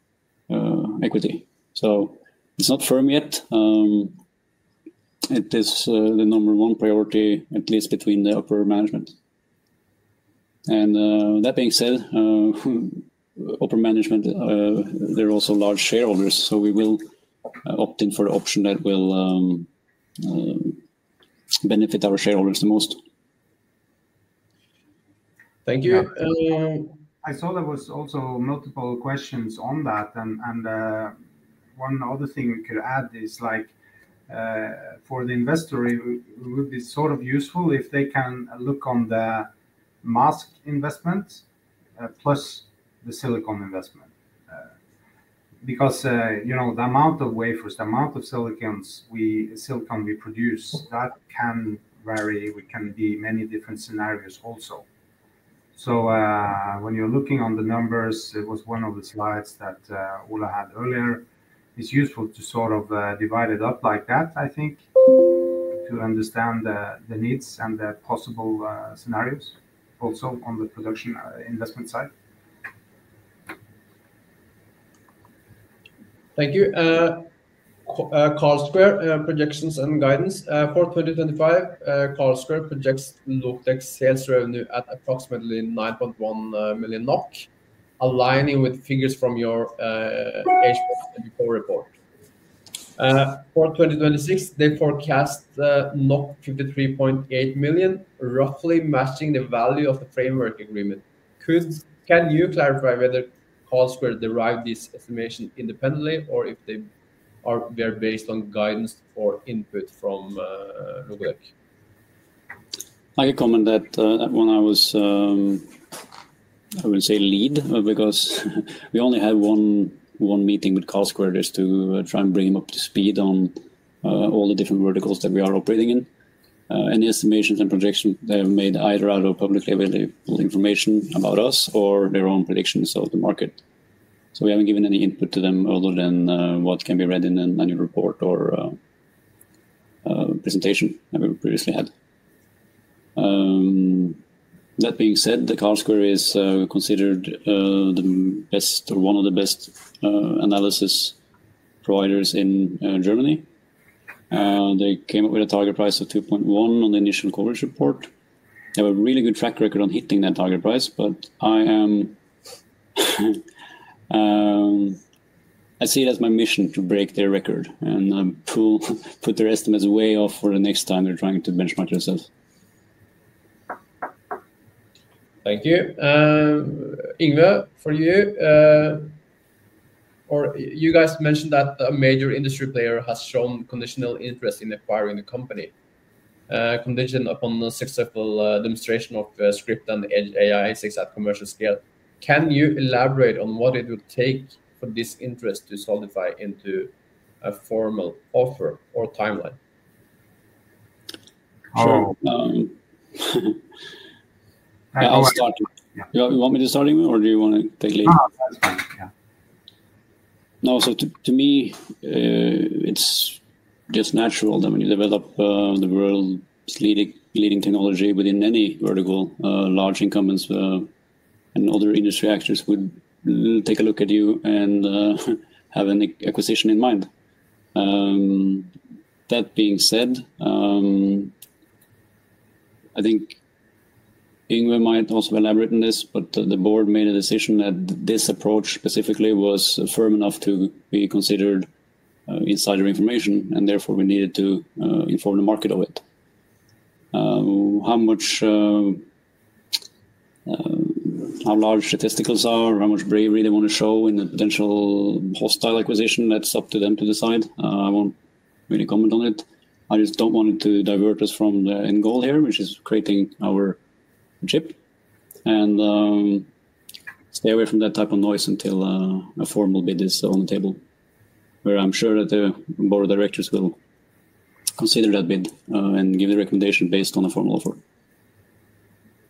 equity, so it's not firm yet. It is the number one priority, at least between the upper management. That being said, upper management, they're also large shareholders, so we will opt in for the option that will benefit our shareholders the most. Thank you. I saw there was also multiple questions on that. And one other thing we could add is like, for the investor, it would be sort of useful if they can look on the mask investment, plus the silicon investment, because, you know, the amount of wafers, the amount of silicon we produce, that can vary. We can be many different scenarios also. So, when you're looking on the numbers, it was one of the slides that Ola had earlier. It's useful to sort of divide it up like that, I think, to understand the needs and the possible scenarios also on the production investment side. Thank you. Carlsquare projections and guidance for 2025. Carlsquare projects Lokotech sales revenue at approximately 9.1 million NOK, aligning with figures from your H1 report for 2026, they forecast 53.8 million, roughly matching the value of the framework agreement. Can you clarify whether Carlsquare derived this estimation independently or if they're based on guidance or input from Lokotech? I can comment that, when I was, I would say lead, because we only had one meeting with Carlsquare just to try and bring him up to speed on all the different verticals that we are operating in. Any estimations and projections they have made either out of publicly available information about us or their own predictions of the market. So we haven't given any input to them other than what can be read in an annual report or presentation that we previously had. That being said, the Carlsquare is considered the best or one of the best analysis providers in Germany. They came up with a target price of 2.1 on the initial coverage report. They have a really good track record on hitting that target price, but I see it as my mission to break their record and put their estimates way off for the next time they're trying to benchmark themselves. Thank you. Yngve, for you or you guys mentioned that a major industry player has shown conditional interest in acquiring the company, conditioned upon the successful demonstration of Scrypt and edge AI ASICs at commercial scale. Can you elaborate on what it would take for this interest to solidify into a formal offer or timeline? Sure. I'll start. You want me to start, Yngve, or do you want to take lead? No, that's fine. Yeah. No, so to me, it's just natural that when you develop the world's leading technology within any vertical, large incumbents and other industry actors would take a look at you and have an acquisition in mind. That being said, I think Yngve might also have elaborated on this, but the board made a decision that this approach specifically was firm enough to be considered insider information, and therefore we needed to inform the market of it. How much, how large the stakes are, how much bravery they want to show in a potential hostile acquisition, that's up to them to decide. I won't really comment on it. I just don't want it to divert us from the end goal here, which is creating our chip. Stay away from that type of noise until a formal bid is on the table, where I'm sure that the board of directors will consider that bid, and give the recommendation based on a formal offer.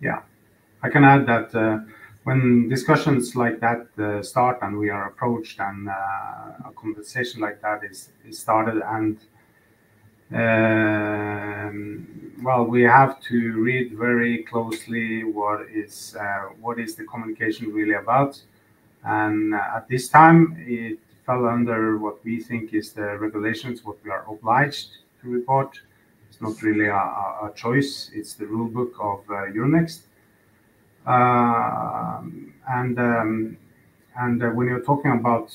Yeah. I can add that, when discussions like that start and we are approached and a conversation like that is started and, well, we have to read very closely what is the communication really about. And at this time, it fell under what we think is the regulations, what we are obliged to report. It's not really a choice. It's the rule book of Euronext. And when you're talking about,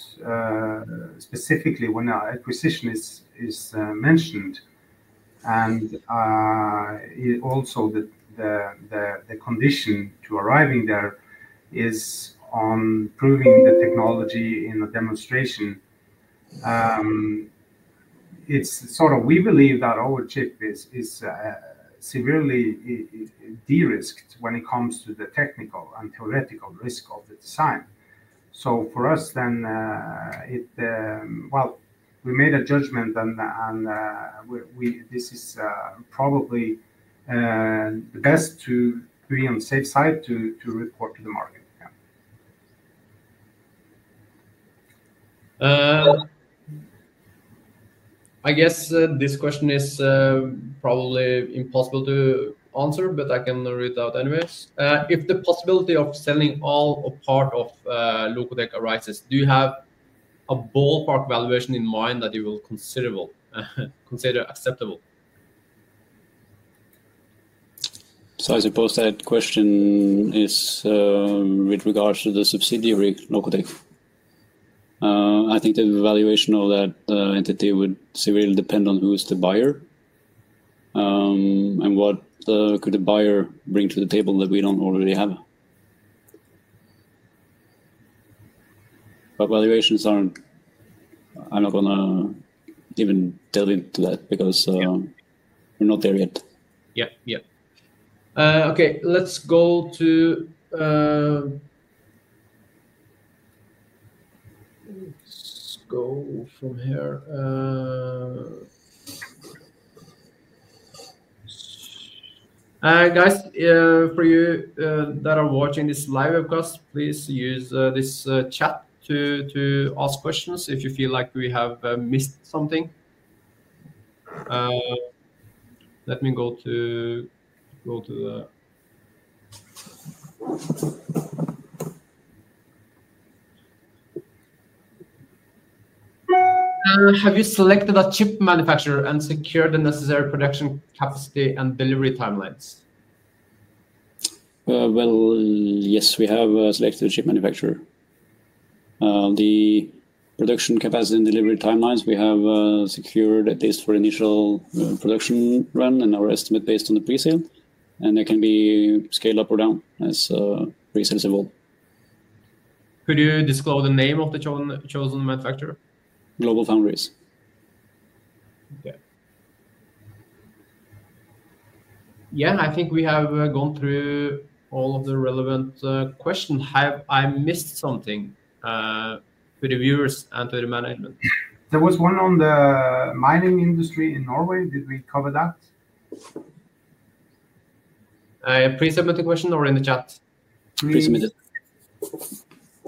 specifically when an acquisition is mentioned and it also the condition to arriving there is on proving the technology in a demonstration. It's sort of, we believe that our chip is severely de-risked when it comes to the technical and theoretical risk of the design. So for us then, well, we made a judgment and this is probably the best to be on the safe side to report to the market. Yeah. I guess this question is probably impossible to answer, but I can read out anyways. If the possibility of selling all or a part of Lokotech arises, do you have a ballpark valuation in mind that you will consider acceptable? I suppose that question is with regards to the subsidiary of Lokotech. I think the valuation of that entity would severely depend on who's the buyer, and what could the buyer bring to the table that we don't already have. But valuations aren't. I'm not going to even delve into that because we're not there yet. Yep. Okay. Let's go from here. Guys, for you that are watching this live webcast, please use this chat to ask questions if you feel like we have missed something. Let me go to the. Have you selected a chip manufacturer and secured the necessary production capacity and delivery timelines? Yes, we have selected a chip manufacturer. The production capacity and delivery timelines we have secured at least for initial production run and our estimate based on the presale, and they can be scaled up or down as presales evolve. Could you disclose the name of the chosen manufacturer? GlobalFoundries. Okay. Yeah, I think we have gone through all of the relevant questions. Have I missed something for the viewers and for the management? There was one on the mining industry in Norway. Did we cover that? Please submit the question or in the chat. Please submit it.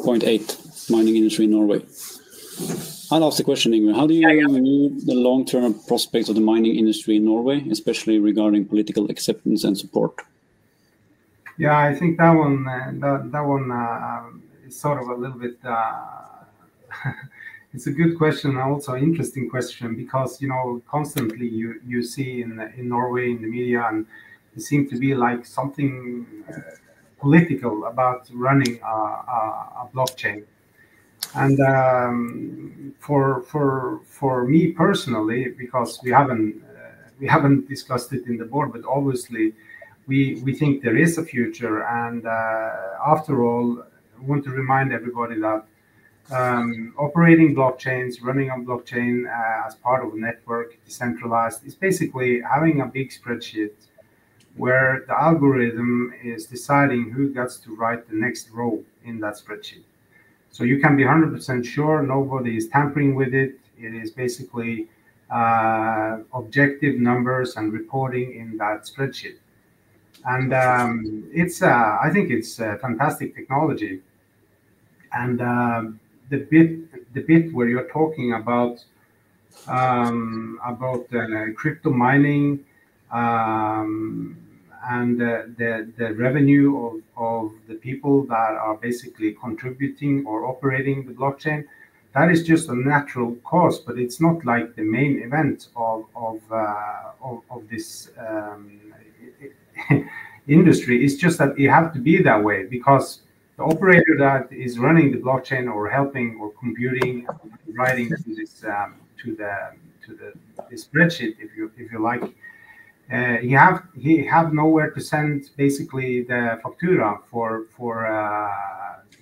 Point eight, mining industry in Norway. I'll ask the question, Yngve. How do you view the long-term prospects of the mining industry in Norway, especially regarding political acceptance and support? Yeah, I think that one is sort of a little bit. It's a good question and also interesting question because, you know, constantly you see in Norway, in the media, and there seem to be like something political about running a blockchain. And for me personally, because we haven't discussed it in the board, but obviously we think there is a future. And after all, I want to remind everybody that operating blockchains, running a blockchain, as part of a network, decentralized, is basically having a big spreadsheet where the algorithm is deciding who gets to write the next row in that spreadsheet. So you can be 100% sure nobody is tampering with it. It is basically objective numbers and reporting in that spreadsheet. And it's, I think it's a fantastic technology. The bit where you're talking about crypto mining, and the revenue of the people that are basically contributing or operating the blockchain, that is just a natural course, but it's not like the main event of this industry. It's just that you have to be that way because the operator that is running the blockchain or helping or computing and writing to the spreadsheet, if you like, you have nowhere to send basically the invoice for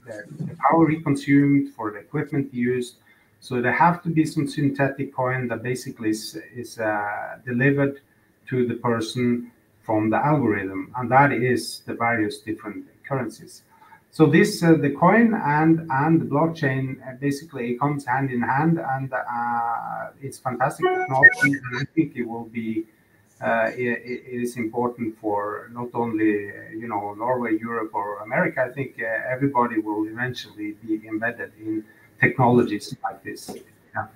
the power we consumed, for the equipment we used. So there have to be some synthetic coin that basically is delivered to the person from the algorithm. That is the various different currencies. The coin and the blockchain basically comes hand in hand, and it's fantastic technology. I think it will be. It is important for not only, you know, Norway, Europe, or America. I think, everybody will eventually be embedded in technologies like this. Yeah.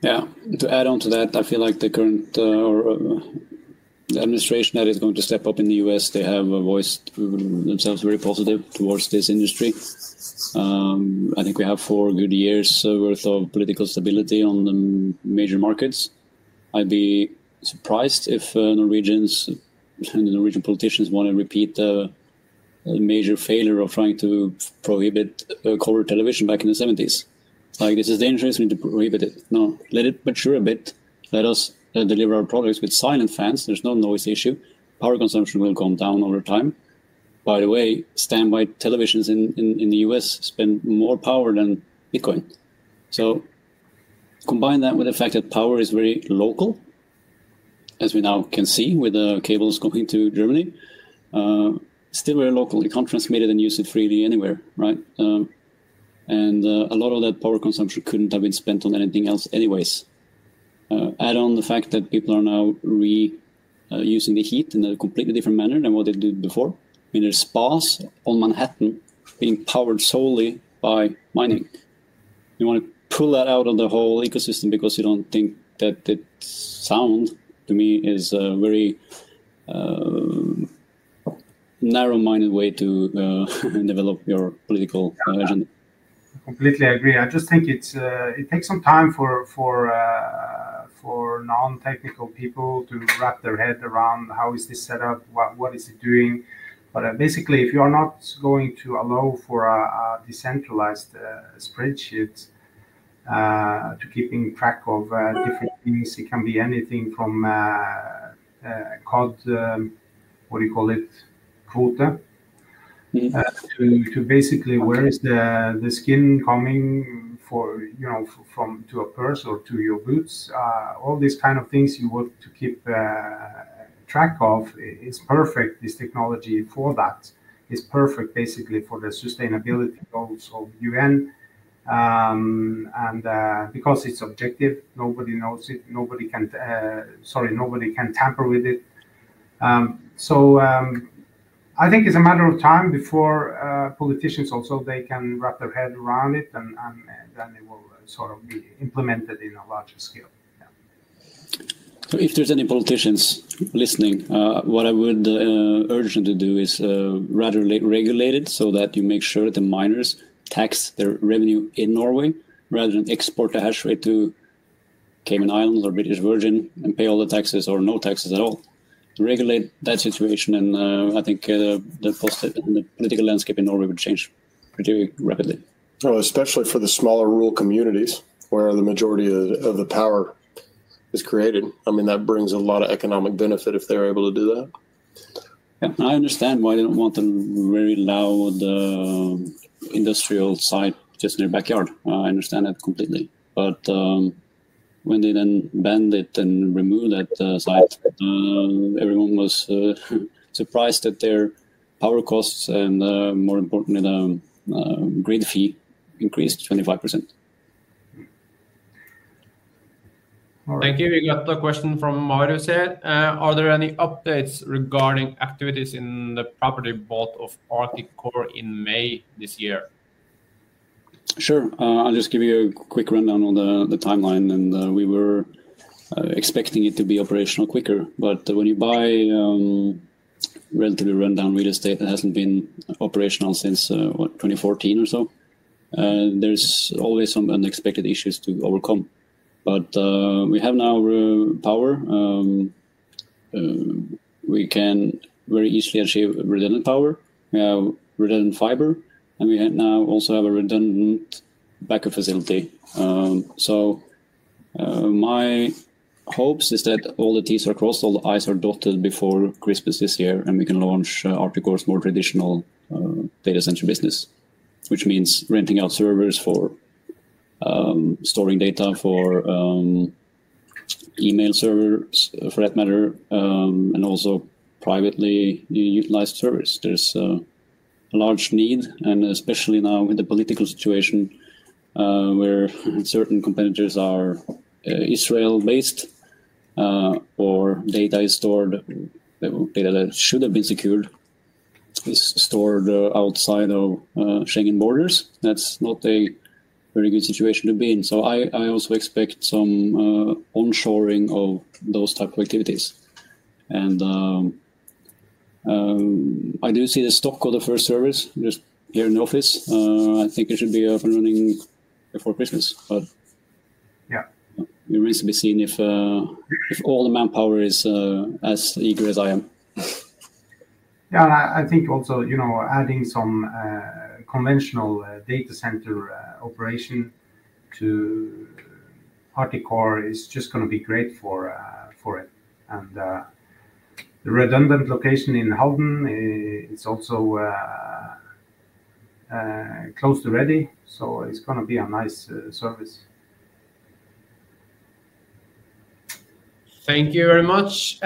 Yeah. To add on to that, I feel like the current, or the administration that is going to step up in the U.S., they have voiced themselves very positive towards this industry. I think we have four good years' worth of political stability on the major markets. I'd be surprised if Norwegians and the Norwegian politicians want to repeat the major failure of trying to prohibit color television back in the 1970s. Like, this is dangerous. We need to prohibit it. No, let it mature a bit. Let us deliver our products with silent fans. There's no noise issue. Power consumption will come down over time. By the way, standby televisions in the U.S. spend more power than Bitcoin. So combine that with the fact that power is very local, as we now can see with the cables going to Germany, still very local. You can't transmit it and use it freely anywhere, right? And a lot of that power consumption couldn't have been spent on anything else anyways. Add on the fact that people are now using the heat in a completely different manner than what they did before. I mean, there's spas on Manhattan being powered solely by mining. You want to pull that out of the whole ecosystem because you don't think that it sounds to me is a very narrow-minded way to develop your political agenda. Completely agree. I just think it's, it takes some time for non-technical people to wrap their head around how is this set up, what is it doing. But basically, if you are not going to allow for a decentralized spreadsheet to keeping track of different things, it can be anything from cod, what do you call it, quota, to basically where is the skin coming from, you know, to a purse or to your boots, all these kind of things you want to keep track of. It's perfect. This technology for that is perfect basically for the sustainability goals of the U.N., and because it's objective, nobody knows it. Nobody can, sorry, nobody can tamper with it. So, I think it's a matter of time before politicians also they can wrap their head around it and, and then it will sort of be implemented in a larger scale. Yeah. So if there's any politicians listening, what I would urge them to do is rather regulate it so that you make sure that the miners tax their revenue in Norway rather than export the hash rate to Cayman Islands or British Virgin Islands and pay all the taxes or no taxes at all. Regulate that situation and I think the political landscape in Norway would change pretty rapidly. Especially for the smaller rural communities where the majority of the power is created. I mean, that brings a lot of economic benefit if they're able to do that. Yeah. I understand why they don't want a very loud, industrial site just in their backyard. I understand that completely. But when they then banned it and removed that site, everyone was surprised that their power costs and, more importantly, the grid fee increased 25%. All right. Thank you. We got a question from Maurice here. Are there any updates regarding activities in the property bought by Arctic Core in May this year? Sure. I'll just give you a quick rundown on the timeline, and we were expecting it to be operational quicker, but when you buy relatively rundown real estate that hasn't been operational since what, 2014 or so, there's always some unexpected issues to overcome, but we have now power, we can very easily achieve redundant power. We have redundant fiber, and we now also have a redundant backup facility, so my hopes is that all the T's are crossed, all the I's are dotted before Christmas this year, and we can launch Arctic Core's more traditional data center business, which means renting out servers for storing data for email servers for that matter, and also privately utilized servers. There's a large need, and especially now with the political situation, where certain competitors are Israel-based, or data is stored, data that should have been secured is stored outside of Schengen borders. That's not a very good situation to be in. So I also expect some onshoring of those types of activities, and I do see the stock of the first service just here in the office. I think it should be up and running before Christmas, but. Yeah. It remains to be seen if all the manpower is as eager as I am. Yeah. I think also, you know, adding some conventional data center operation to Arctic Core is just going to be great for it. And, the redundant location in Halden, it's also close to ready. So it's going to be a nice service. Thank you very much.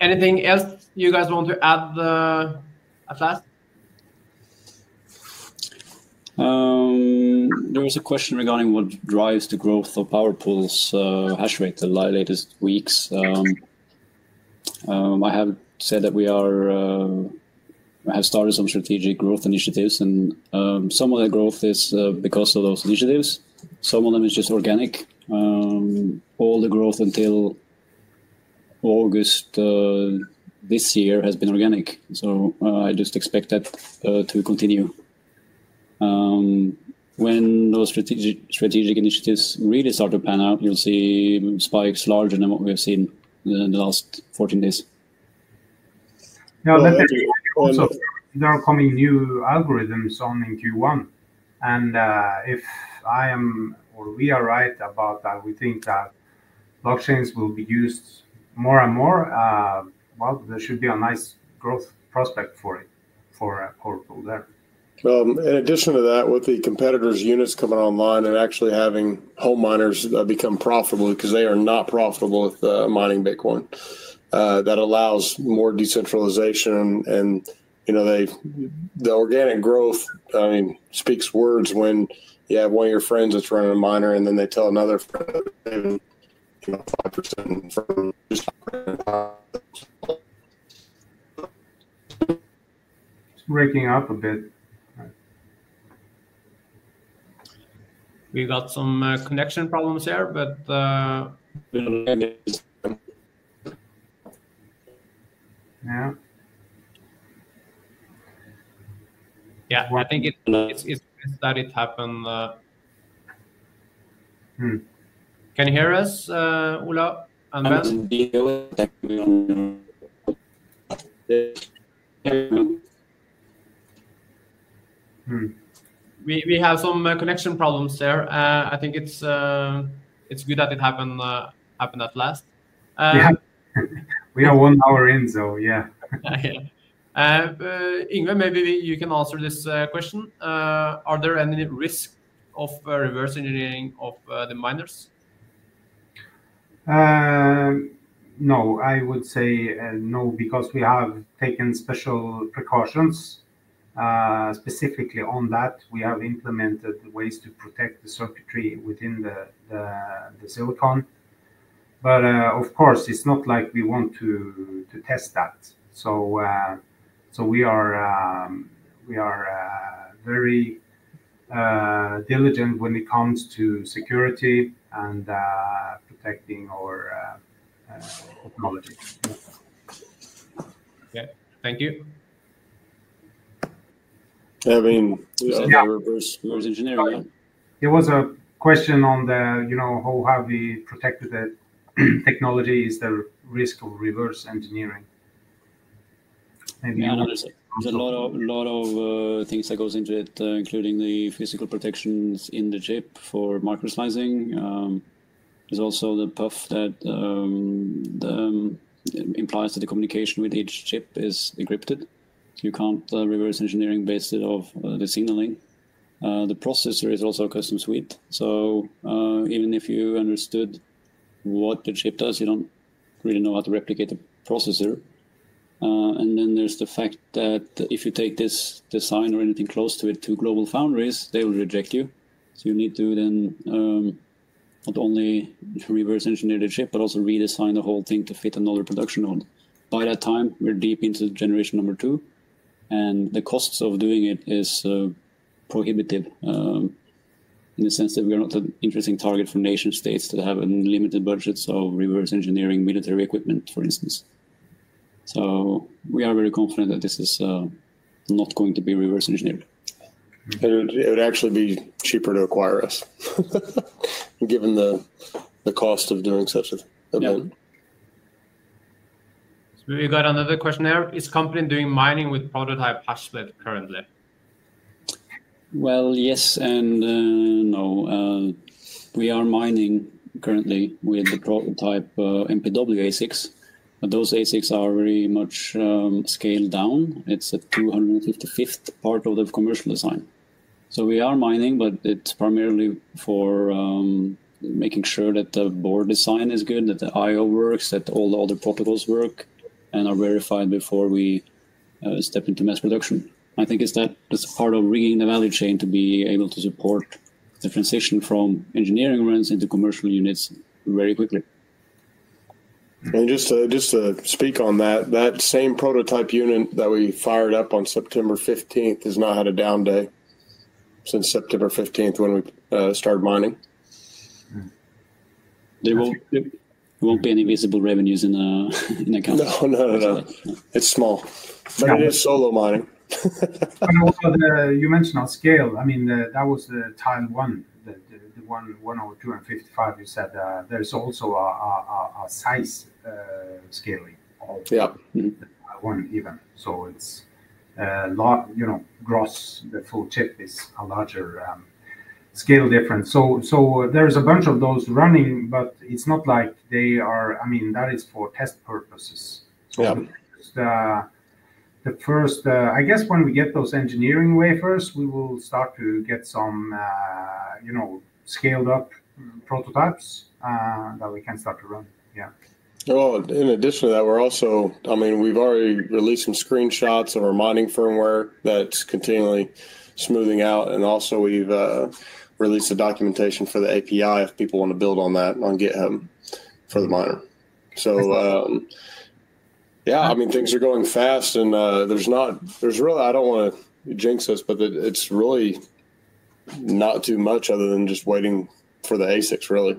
Anything else you guys want to add, at last? There was a question regarding what drives the growth of PowerPool's hash rate in the latest weeks. I have said that we have started some strategic growth initiatives, and some of that growth is because of those initiatives. Some of them is just organic. All the growth until August this year has been organic. So I just expect that to continue. When those strategic initiatives really start to pan out, you'll see spikes larger than what we've seen in the last 14 days. Yeah. So there are coming new algorithms on in Q1. And if I am or we are right about that, we think that blockchains will be used more and more. Well, there should be a nice growth prospect for it for PowerPool there. Well, in addition to that, with the competitors' units coming online and actually having home miners become profitable because they are not profitable with mining Bitcoin, that allows more decentralization. And, you know, they, the organic growth, I mean, speaks words when you have one of your friends that's running a miner and then they tell another friend, you know It's breaking up a bit. We got some connection problems here, but Yeah. Yeah. I think it's good that it happened. Can you hear us, Ola and Ben? We have some connection problems there. I think it's good that it happened at last. We have one hour in, so yeah. Yeah. Yngve, maybe you can answer this question. Are there any risks of reverse engineering of the miners? No. I would say, no because we have taken special precautions, specifically on that. We have implemented ways to protect the circuitry within the silicon. But, of course, it's not like we want to test that. So we are very diligent when it comes to security and protecting our technology. Yeah. Thank you. I mean. Yeah. There was reverse engineering. There was a question on the, you know, how have we protected that technology? Is there a risk of reverse engineering? Maybe you know. Yeah. There's a lot of things that goes into it, including the physical protections in the chip for microslicing. There's also the PUF that implies that the communication with each chip is encrypted. You can't reverse engineer based off the signaling. The processor is also a custom suite. So, even if you understood what the chip does, you don't really know how to replicate the processor. And then there's the fact that if you take this design or anything close to it to GlobalFoundries, they will reject you. So you need to then not only reverse engineer the chip, but also redesign the whole thing to fit another production model. By that time, we're deep into generation number two. The costs of doing it is prohibitive, in the sense that we are not an interesting target for nation-states that have a limited budget of reverse engineering military equipment, for instance. So we are very confident that this is not going to be reverse engineered. It would actually be cheaper to acquire us given the cost of doing such an event. Yeah. So we've got another question here. Is company doing mining with prototype Hashblade currently? Yes and no. We are mining currently with the prototype, MPW ASICs. But those ASICs are very much scaled down. It's a 255th part of the commercial design. So we are mining, but it's primarily for making sure that the board design is good, that the IO works, that all the other protocols work, and are verified before we step into mass production. I think it's that. It's part of rigging the value chain to be able to support the transition from engineering runs into commercial units very quickly. Just to speak on that, that same prototype unit that we fired up on September 15th has not had a down day since September 15th when we started mining. There won't be any visible revenues in account. No, no, no, no. It's small. But it is solo mining. Also, you mentioned on scale. I mean, that was tile one, the 1 in 255 you said. There's also a size scaling. Yeah. So it's a lot, you know, gross. The full chip is a larger scale difference, so there's a bunch of those running, but it's not like they are. I mean, that is for test purposes. Yeah. So just the first, I guess, when we get those engineering wafers, we will start to get some, you know, scaled-up prototypes that we can start to run. Yeah. In addition to that, we're also, I mean, we've already released some screenshots of our mining firmware that's continually smoothing out, and also we've released the documentation for the API if people want to build on that on GitHub for the miner. Yeah, I mean, things are going fast and there's really, I don't want to jinx us, but it's really not too much other than just waiting for the ASICs, really.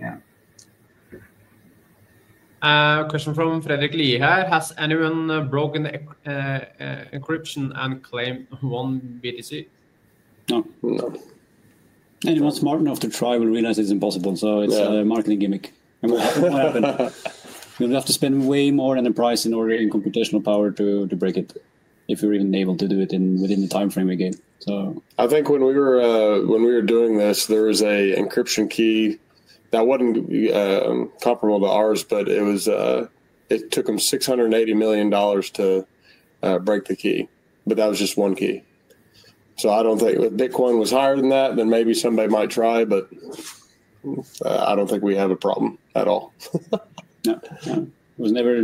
Yeah. Question from Frederick Lee here. Has anyone broken the encryption and claimed one BTC? No. No. Anyone smart enough to try will realize it's impossible. So it's a marketing gimmick. And what happened? We'll have to spend way more enterprise in order and computational power to break it if you're even able to do it within the timeframe we gave. So. I think when we were doing this, there was an encryption key that wasn't comparable to ours, but it took them $680 million to break the key. But that was just one key. So I don't think with Bitcoin was higher than that, then maybe somebody might try, but I don't think we have a problem at all. No. No. It was never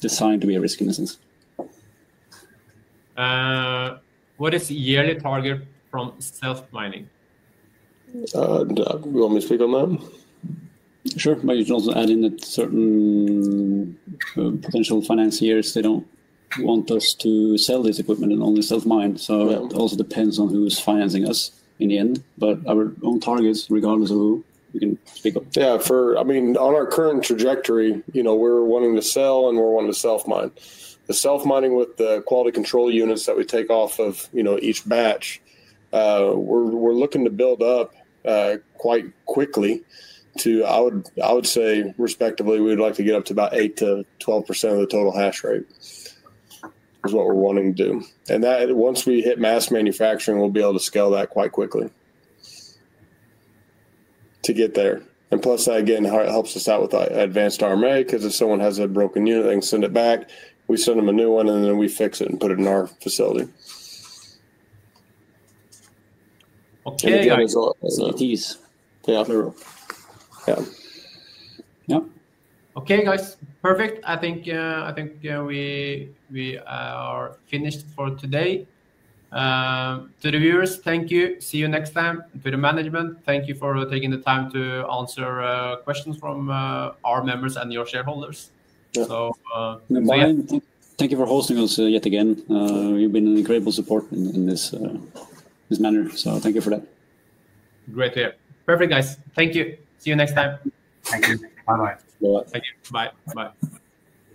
designed to be a risky business. What is the yearly target from self-mining? Do you want me to speak on that? Sure. My job's adding that certain potential financiers, they don't want us to sell this equipment and only self-mine. So it also depends on who's financing us in the end. But our own targets, regardless of who, we can speak of. Yeah. I mean, on our current trajectory, you know, we're wanting to sell and we're wanting to self-mine. The self-mining with the quality control units that we take off of, you know, each batch, we're looking to build up quite quickly to, I would say respectively, we'd like to get up to about 8%-12% of the total hash rate is what we're wanting to do. And that, once we hit mass manufacturing, we'll be able to scale that quite quickly to get there. And plus that, again, how it helps us out with advanced RMA because if someone has a broken unit, they can send it back. We send them a new one and then we fix it and put it in our facility. Okay. Yeah. Guys. They're all. Yeah. Yep. Okay, guys. Perfect. I think we are finished for today. To the viewers, thank you. See you next time. To the management, thank you for taking the time to answer questions from our members and your shareholders. Yeah. Thank you for hosting us yet again. You've been an incredible support in this manner. Thank you for that. Great to hear. Perfect, guys. Thank you. See you next time. Thank you. Bye-bye. Bye-bye. Thank you. Bye. Bye.